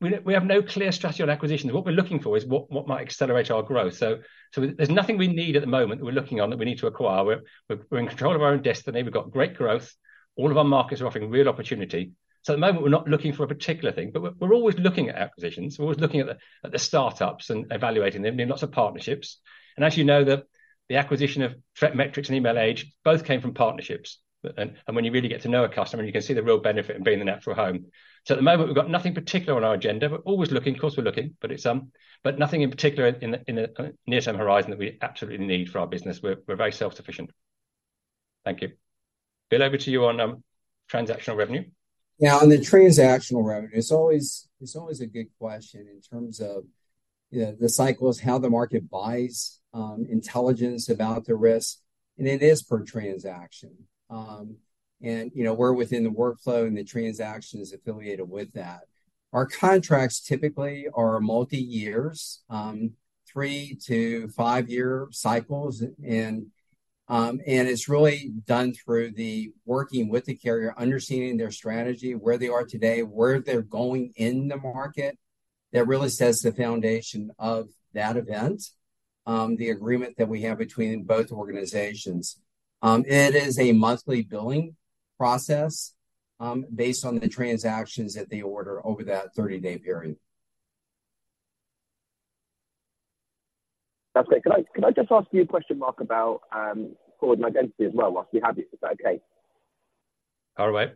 we have no clear strategy on acquisitions. What we're looking for is what might accelerate our growth. So there's nothing we need at the moment that we're looking on, that we need to acquire. We're in control of our own destiny. We've got great growth. All of our markets are offering real opportunity. So at the moment, we're not looking for a particular thing, but we're always looking at acquisitions. We're always looking at the startups and evaluating them in lots of partnerships. And as you know, the acquisition of ThreatMetrix and Emailage both came from partnerships. And when you really get to know a customer, you can see the real benefit in being the natural home. So at the moment, we've got nothing particular on our agenda. We're always looking. Of course, we're looking, but it's but nothing in particular in the near-term horizon that we absolutely need for our business. We're very self-sufficient. Thank you. Bill, over to you on transactional revenue. Yeah, on the transactional revenue, it's always, it's always a good question in terms of, you know, the cycles, how the market buys, intelligence about the risk, and it is per transaction. And, you know, we're within the workflow, and the transaction is affiliated with that. Our contracts typically are multi-years, 3-5-year cycles, and it's really done through the working with the carrier, understanding their strategy, where they are today, where they're going in the market, that really sets the foundation of that event, the agreement that we have between both organizations. It is a monthly billing process, based on the transactions that they order over that 30-day period. That's great. Can I, can I just ask you a question, Mark, about fraud and identity as well, while we have you? Is that okay? All right.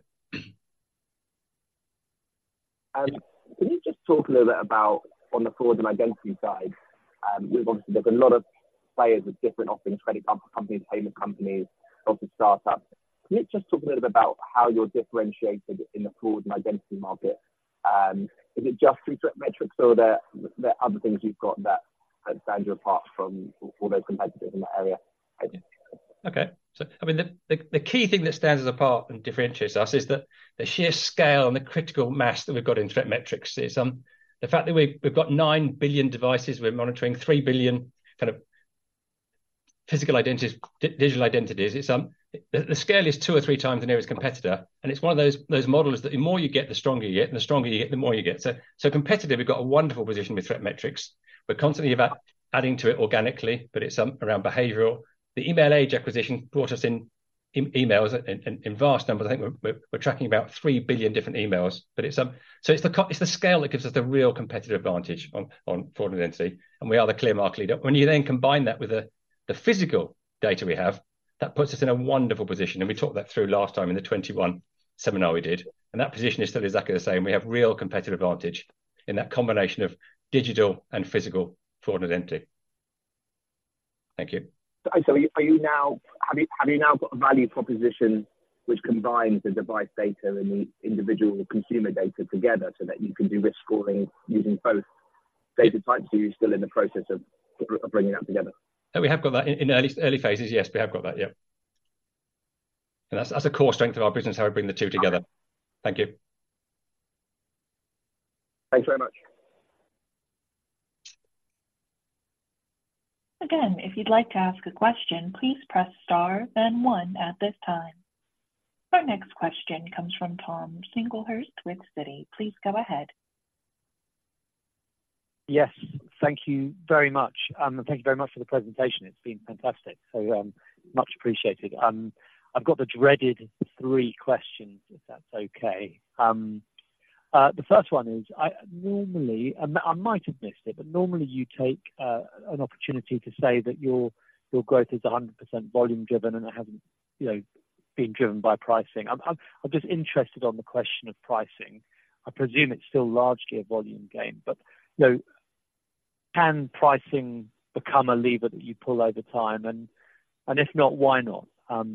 Can you just talk a little bit about on the fraud and identity side? Obviously, there's a lot of players with different offerings, credit card companies, payment companies, obviously, startups. Can you just talk a little bit about how you're differentiated in the fraud and identity market? Is it just through ThreatMetrix, or are there, there are other things you've got that stands you apart from all those competitors in that area? Thank you. Okay. So, I mean, the key thing that stands us apart and differentiates us is the sheer scale and the critical mass that we've got in ThreatMetrix is the fact that we've got 9 billion devices, we're monitoring 3 billion kind of physical identities, digital identities. It's the scale is two or three times the nearest competitor, and it's one of those models that the more you get, the stronger you get, and the stronger you get, the more you get. So, competitive, we've got a wonderful position with ThreatMetrix. We're constantly about adding to it organically, but it's around behavioral. The EmailAge acquisition brought us emails in vast numbers. I think we're tracking about 3 billion different emails, but it's so it's the scale that gives us the real competitive advantage on, on fraud and identity, and we are the clear market leader. When you then combine that with the, the physical data we have, that puts us in a wonderful position, and we talked that through last time in the 2021 seminar we did, and that position is still exactly the same. We have real competitive advantage in that combination of digital and physical fraud identity. Thank you. So have you now got a value proposition which combines the device data and the individual consumer data together so that you can do risk scoring using both data types, or are you still in the process of bringing that together? We have got that. In early phases, yes, we have got that. Yeah. And that's a core strength of our business, how we bring the two together. Thank you. Thanks very much. Again, if you'd like to ask a question, please press star then one at this time. Our next question comes from Tom Singlehurst with Citi. Please go ahead. Yes, thank you very much. Thank you very much for the presentation. It's been fantastic, so, much appreciated. I've got the dreaded three questions, if that's okay. The first one is, I normally, and I might have missed it, but normally you take an opportunity to say that your, your growth is 100% volume driven, and it hasn't, you know, been driven by pricing. I'm just interested on the question of pricing. I presume it's still largely a volume game, but, you know, can pricing become a lever that you pull over time? And if not, why not? That's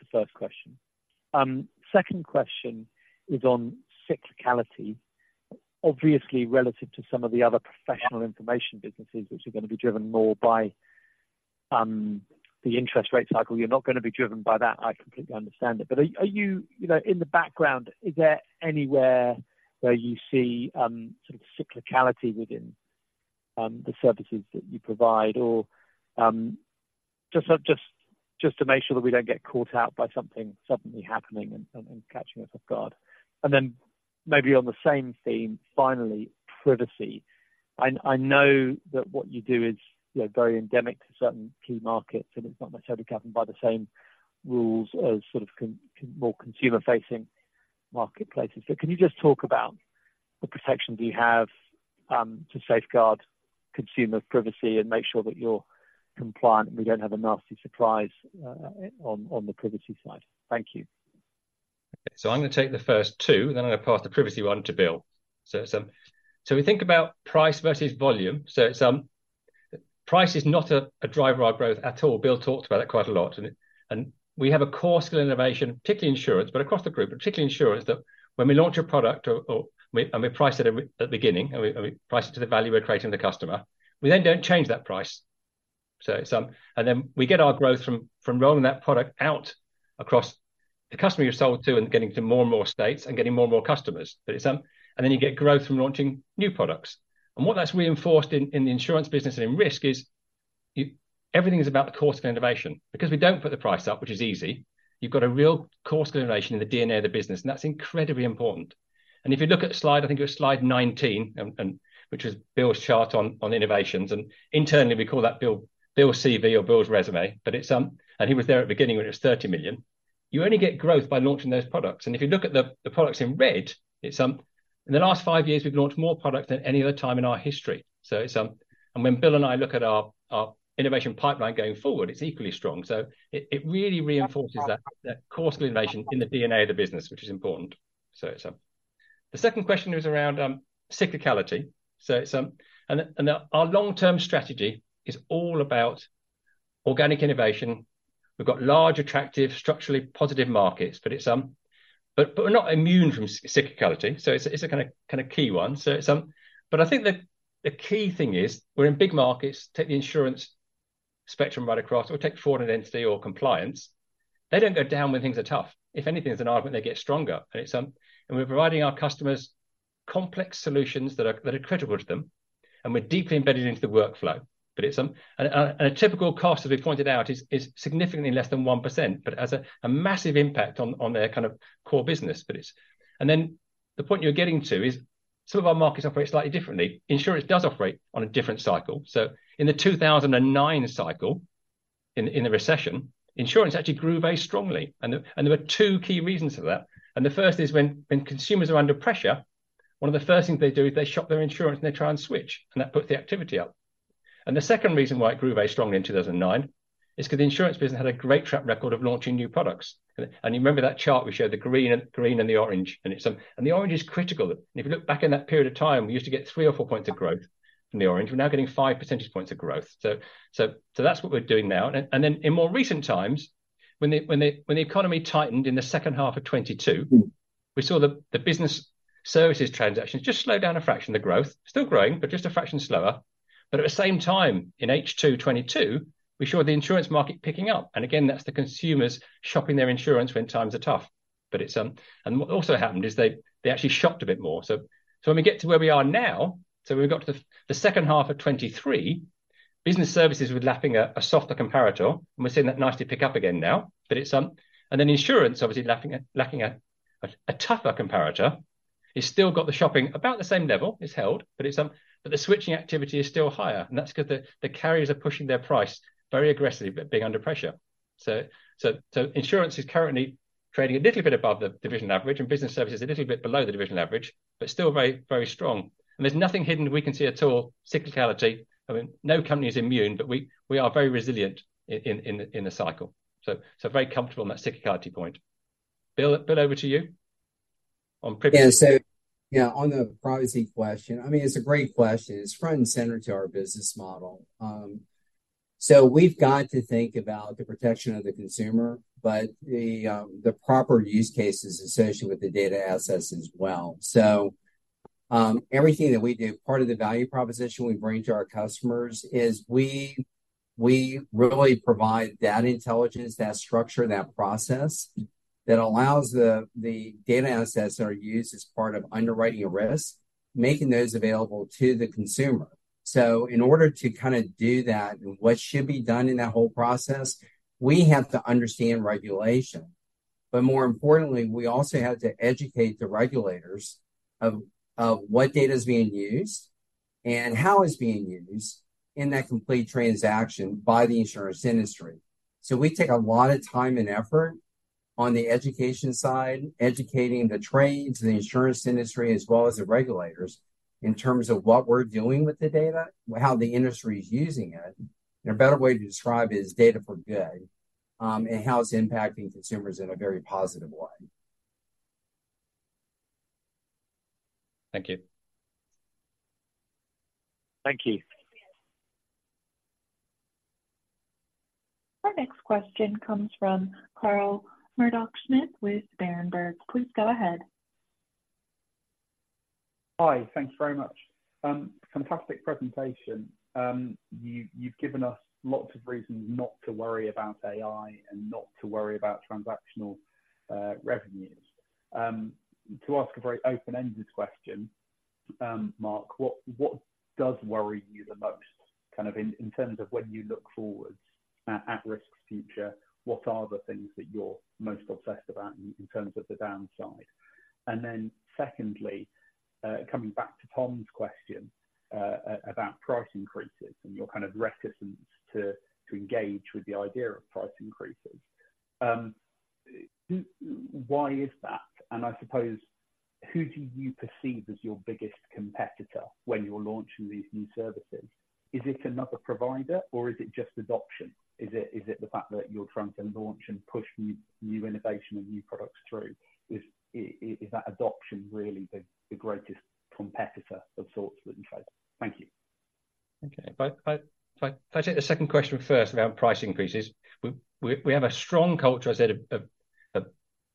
the first question. Second question is on cyclicality. Obviously, relative to some of the other professional information businesses which are gonna be driven more by the interest rate cycle, you're not gonna be driven by that. I completely understand it. But are you, you know, in the background, is there anywhere where you see sort of cyclicality within the services that you provide? Or just to make sure that we don't get caught out by something suddenly happening and catching us off guard. And then maybe on the same theme, finally, privacy. I know that what you do is, you know, very endemic to certain key markets, and it's not necessarily governed by the same rules as sort of more consumer-facing marketplaces. Can you just talk about what protections you have to safeguard consumer privacy and make sure that you're compliant, and we don't have a nasty surprise on the privacy side? Thank you. So I'm gonna take the first two, and then I'm gonna pass the privacy one to Bill. So we think about price versus volume. So it's price is not a driver of our growth at all. Bill talked about it quite a lot, and we have a core skill innovation, particularly insurance, but across the group, but particularly insurance, that when we launch a product or we price it at the beginning, and we price it to the value we're creating to the customer, we then don't change that price. So and then we get our growth from rolling that product out across the customer you sold to and getting to more and more states and getting more and more customers. But it's and then you get growth from launching new products. What that's reinforced in the insurance business and in risk is, everything is about the cost of innovation, because we don't put the price up, which is easy. You've got a real cost innovation in the DNA of the business, and that's incredibly important. If you look at slide 19, I think it was slide 19, which is Bill's chart on innovations, and internally, we call that Bill's CV or Bill's resume, but it's. He was there at the beginning when it was $30 million. You only get growth by launching those products, and if you look at the products in red, it's in the last five years, we've launched more products than any other time in our history. So it's, and when Bill and I look at our innovation pipeline going forward, it's equally strong. It really reinforces that that cost of innovation in the DNA of the business, which is important. So, the second question is around cyclicality. So, and our long-term strategy is all about organic innovation. We've got large, attractive, structurally positive markets, but it's but we're not immune from cyclicality, so it's a kinda key one. So, but I think the key thing is, we're in big markets, take the insurance spectrum right across, or take fraud and identity, or compliance. They don't go down when things are tough. If anything, there's an argument they get stronger, and it's and we're providing our customers complex solutions that are credible to them, and we're deeply embedded into the workflow. But it's a typical cost, as we pointed out, is significantly less than 1%, but has a massive impact on their kind of core business. But it's and then, the point you're getting to is some of our markets operate slightly differently. Insurance does operate on a different cycle. So in the 2009 cycle, in the recession, insurance actually grew very strongly, and there were two key reasons for that. And the first is when consumers are under pressure, one of the first things they do is they shop their insurance, and they try and switch, and that puts the activity up. And the second reason why it grew very strongly in 2009, is 'cause the insurance business had a great track record of launching new products. And you remember that chart we showed, the green and, green and the orange, and it's, and the orange is critical. If you look back in that period of time, we used to get three or four points of growth in the orange. We're now getting five percentage points of growth. So, so, so that's what we're doing now. And then in more recent times, when the economy tightened in the second half of 2022, we saw the Business Services transactions just slow down a fraction, the growth. Still growing, but just a fraction slower. But at the same time, in H2 2022, we saw the insurance market picking up, and again, that's the consumers shopping their insurance when times are tough. But it's and what also happened is they actually shopped a bit more. So when we get to where we are now, we've got to the second half of 2023, Business Services was lapping a softer comparator, and we're seeing that nicely pick up again now. But it's and then insurance, obviously lapping a tougher comparator, it's still got the shopping about the same level, it's held, but the switching activity is still higher, and that's 'cause the carriers are pushing their price very aggressively, but being under pressure. So insurance is currently trading a little bit above the division average, and Business Services a little bit below the division average, but still very, very strong. And there's nothing hidden we can see at all. Cyclicality, I mean, no company is immune, but we are very resilient in a cycle. So, so very comfortable on that cyclicality point. Bill, Bill, over to you on privacy. Yeah. So, yeah, on the privacy question, I mean, it's a great question. It's front and center to our business model. So we've got to think about the protection of the consumer, but the, the proper use cases associated with the data assets as well. So, everything that we do, part of the value proposition we bring to our customers is we really provide that intelligence, that structure, that process, that allows the data assets that are used as part of underwriting a risk, making those available to the consumer. So in order to kinda do that and what should be done in that whole process, we have to understand regulation, but more importantly, we also have to educate the regulators of what data is being used and how it's being used in that complete transaction by the insurance industry. We take a lot of time and effort on the education side, educating the trades and the insurance industry, as well as the regulators, in terms of what we're doing with the data, how the industry is using it. A better way to describe it is data for good, and how it's impacting consumers in a very positive way. Thank you. Thank you. Our next question comes from Carl Murdock-Smith with Berenberg. Please go ahead. Hi. Thanks very much. Fantastic presentation. You've, you've given us lots of reasons not to worry about AI and not to worry about transactional revenues. To ask a very open-ended question, Mark, what, what does worry you the most, kind of in, in terms of when you look forwards at, at the Risk's future, what are the things that you're most obsessed about in terms of the downside? And then secondly, coming back to Tom's question, about price increases and your kind of reticence to, to engage with the idea of price increases. Why is that? And I suppose, who do you perceive as your biggest competitor when you're launching these new services? Is it another provider or is it just adoption? Is it, is it the fact that you're trying to launch and push new, new innovation and new products through? Is that adoption really the, the greatest competitor of sorts that you face? Thank you. Okay. If I take the second question first about price increases, we have a strong culture, I said, of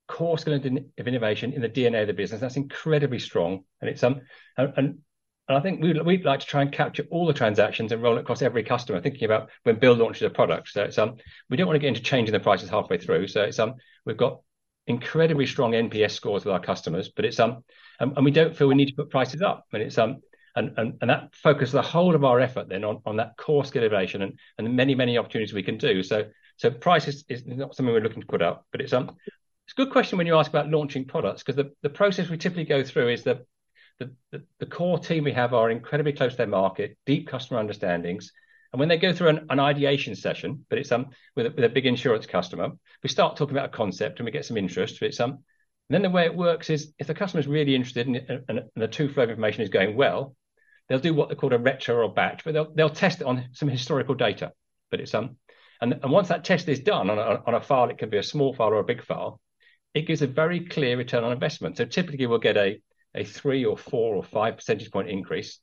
core skill in innovation in the DNA of the business. That's incredibly strong, and it's and I think we'd like to try and capture all the transactions and roll it across every customer, thinking about when Bill launches a product. So it's, we don't wanna get into changing the prices halfway through, so it's, we've got incredibly strong NPS scores with our customers, but it's and we don't feel we need to put prices up, but it's, and that focuses the whole of our effort then on that core skill innovation and many, many opportunities we can do. So price is not something we're looking to put up. But it's a good question when you ask about launching products, 'cause the process we typically go through is the core team we have are incredibly close to their market, deep customer understandings, and when they go through an ideation session, but it's with a big insurance customer, we start talking about a concept and we get some interest, but it's then the way it works is, if the customer is really interested and the two-flow of information is going well, they'll do what they call a retro or batch, but they'll test it on some historical data. But it's and once that test is done on a file, it can be a small file or a big file, it gives a very clear return on investment. So typically, we'll get a three or four or five percentage point increase.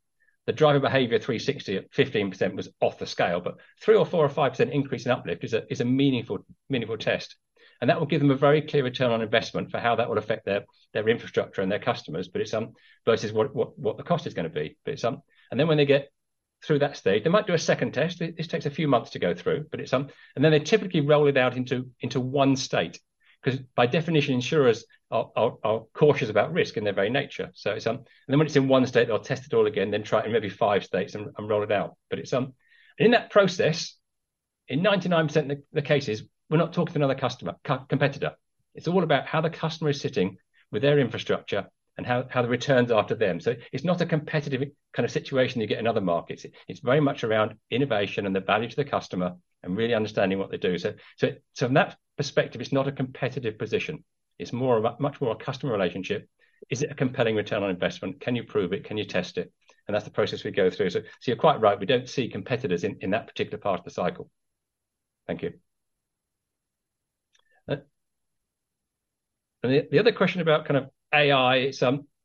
The Driving Behavior 360 at 15% was off the scale, but 3% or 4% or 5% increase in uplift is a meaningful test. And that will give them a very clear return on investment for how that would affect their infrastructure and their customers, but it's versus what the cost is gonna be. And then when they get through that stage, they might do a second test. This takes a few months to go through, but it's, and then they typically roll it out into one state, 'cause by definition, insurers are cautious about risk in their very nature. So it's, and then when it's in one state, they'll test it all again, then try it in maybe five states and roll it out. But it's, in that process, in 99% of the cases, we're not talking to another customer, co-competitor. It's all about how the customer is sitting with their infrastructure and how the returns are to them. So it's not a competitive kind of situation you get in other markets. It's very much around innovation and the value to the customer and really understanding what they do. So, from that perspective, it's not a competitive position. It's much more a customer relationship. Is it a compelling return on investment? Can you prove it? Can you test it? And that's the process we go through. So you're quite right, we don't see competitors in that particular part of the cycle. Thank you. And the other question about kind of AI,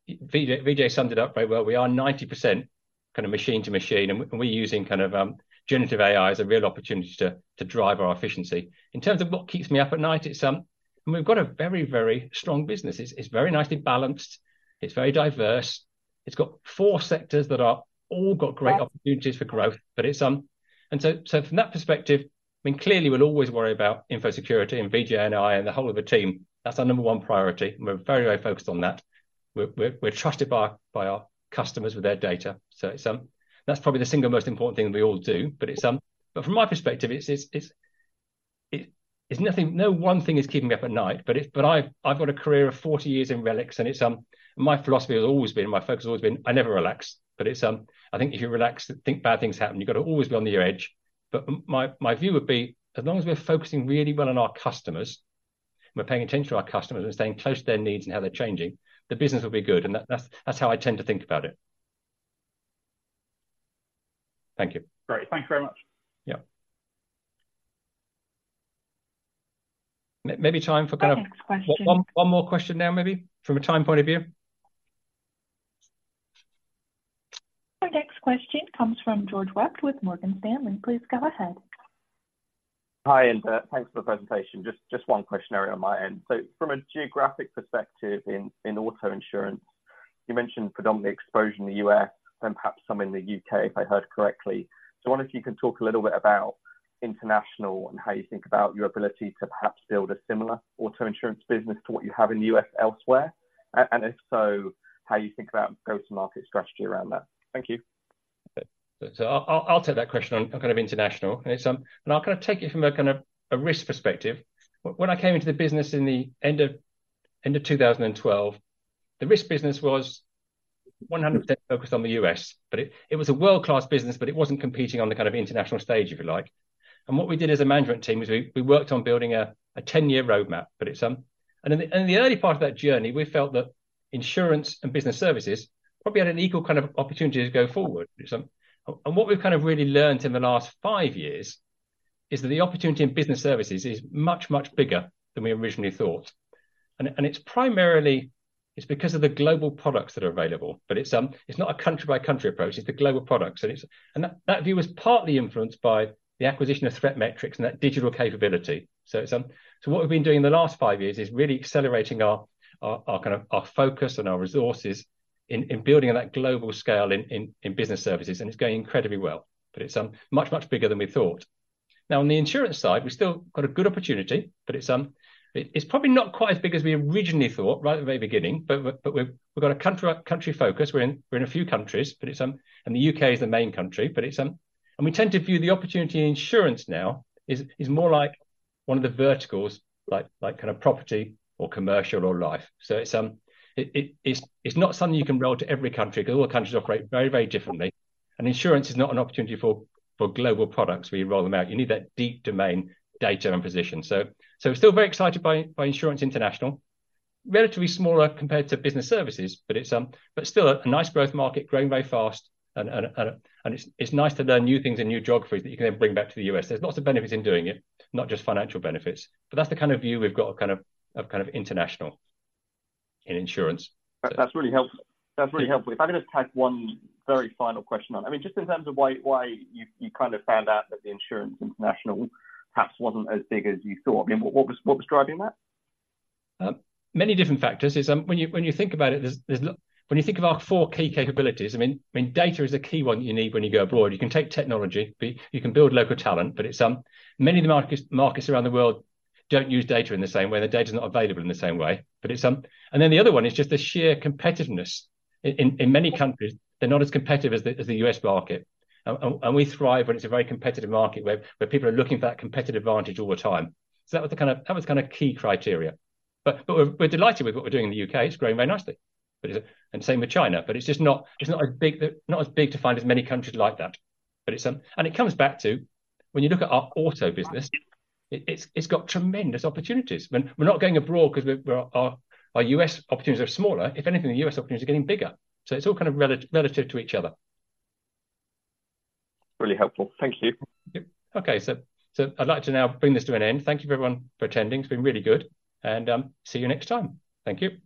Vijay summed it up very well. We are 90% kind of machine to machine, and we're using kind of generative AI as a real opportunity to drive our efficiency. In terms of what keeps me up at night, it's and we've got a very, very strong business. It's very nicely balanced, it's very diverse. It's got four sectors that are all got great opportunities for growth, but it's so from that perspective, I mean, clearly, we'll always worry about info security, and Vijay and I and the whole of the team, that's our number one priority, and we're very, very focused on that. We're trusted by our customers with their data. So that's probably the single most important thing that we all do, but it's but from my perspective, it's nothing no one thing is keeping me up at night, but it's but I've got a career of 40 years in RELX, and it's my philosophy has always been, my focus has always been, I never relax. But it's I think if you relax, then think bad things happen. You've got to always be on the edge. But my view would be, as long as we're focusing really well on our customers, we're paying attention to our customers and staying close to their needs and how they're changing, the business will be good, and that's how I tend to think about it. Thank you. Great. Thank you very much. Yeah. Maybe time for kind of Our next question. One, one more question now, maybe, from a time point of view? Our next question comes from George Webb with Morgan Stanley. Please go ahead. Hi, and thanks for the presentation. Just one question on my end. So from a geographic perspective in auto insurance, you mentioned predominantly exposure in the U.S. and perhaps some in the U.K., if I heard correctly. So I wonder if you can talk a little bit about international and how you think about your ability to perhaps build a similar auto insurance business to what you have in the U.S. elsewhere, and if so, how you think about go-to-market strategy around that. Thank you. So I'll, I'll take that question on kind of international, and it's and I'll kind of take it from a kind of a risk perspective. When I came into the business in the end of 2012, the risk business was 100% focused on the U.S., but it, it was a world-class business, but it wasn't competing on the kind of international stage, if you like. And what we did as a management team was we worked on building a 10-year roadmap, but it's and in, and in the early part of that journey, we felt that insurance and Business Services probably had an equal kind of opportunity to go forward. So, and what we've kind of really learned in the last five years is that the opportunity in Business Services is much, much bigger than we originally thought, and it's primarily because of the global products that are available, but it's not a country by country approach, it's the global products. And that view was partly influenced by the acquisition of ThreatMetrix and that digital capability. So what we've been doing in the last five years is really accelerating our kind of focus and our resources in building on that global scale in Business Services, and it's going incredibly well, but it's much, much bigger than we thought. Now, on the insurance side, we've still got a good opportunity, but it's probably not quite as big as we originally thought right at the very beginning, but we've got a country focus. We're in a few countries, but the U.K. is the main country. And we tend to view the opportunity in insurance now as more like one of the verticals, like kind of property or commercial or life. So it's not something you can roll to every country, because all countries operate very differently, and insurance is not an opportunity for global products where you roll them out. You need that deep domain data and position. So we're still very excited by insurance international. Relatively smaller compared to Business Services, but it's but still a nice growth market, growing very fast, and it's nice to learn new things in new geographies that you can then bring back to the U.S. There's lots of benefits in doing it, not just financial benefits, but that's the kind of view we've got, a kind of international in insurance. That's really helpful. That's really helpful. If I could just tack one very final question on I mean, just in terms of why you kind of found out that the insurance international perhaps wasn't as big as you thought. I mean, what was driving that? Many different factors. It's when you think about it, there's when you think of our four key capabilities, I mean, I mean, data is a key one you need when you go abroad. You can take technology, but you can build local talent, but it's many of the markets, markets around the world don't use data in the same way, the data is not available in the same way, but it's and then the other one is just the sheer competitiveness. In many countries, they're not as competitive as the U.S. market, and we thrive when it's a very competitive market where people are looking for that competitive advantage all the time. So that was the kind of, that was kind of key criteria. But we're delighted with what we're doing in the U.K. It's growing very nicely, but it and same with China, but it's just not as big, not as big to find as many countries like that. But it's, and it comes back to when you look at our auto business, it's got tremendous opportunities. When we're not going abroad because we're, our U.S. opportunities are smaller. If anything, the U.S. opportunities are getting bigger. So it's all kind of relative to each other. Really helpful. Thank you. Yep. Okay, so I'd like to now bring this to an end. Thank you, everyone, for attending. It's been really good, and see you next time. Thank you.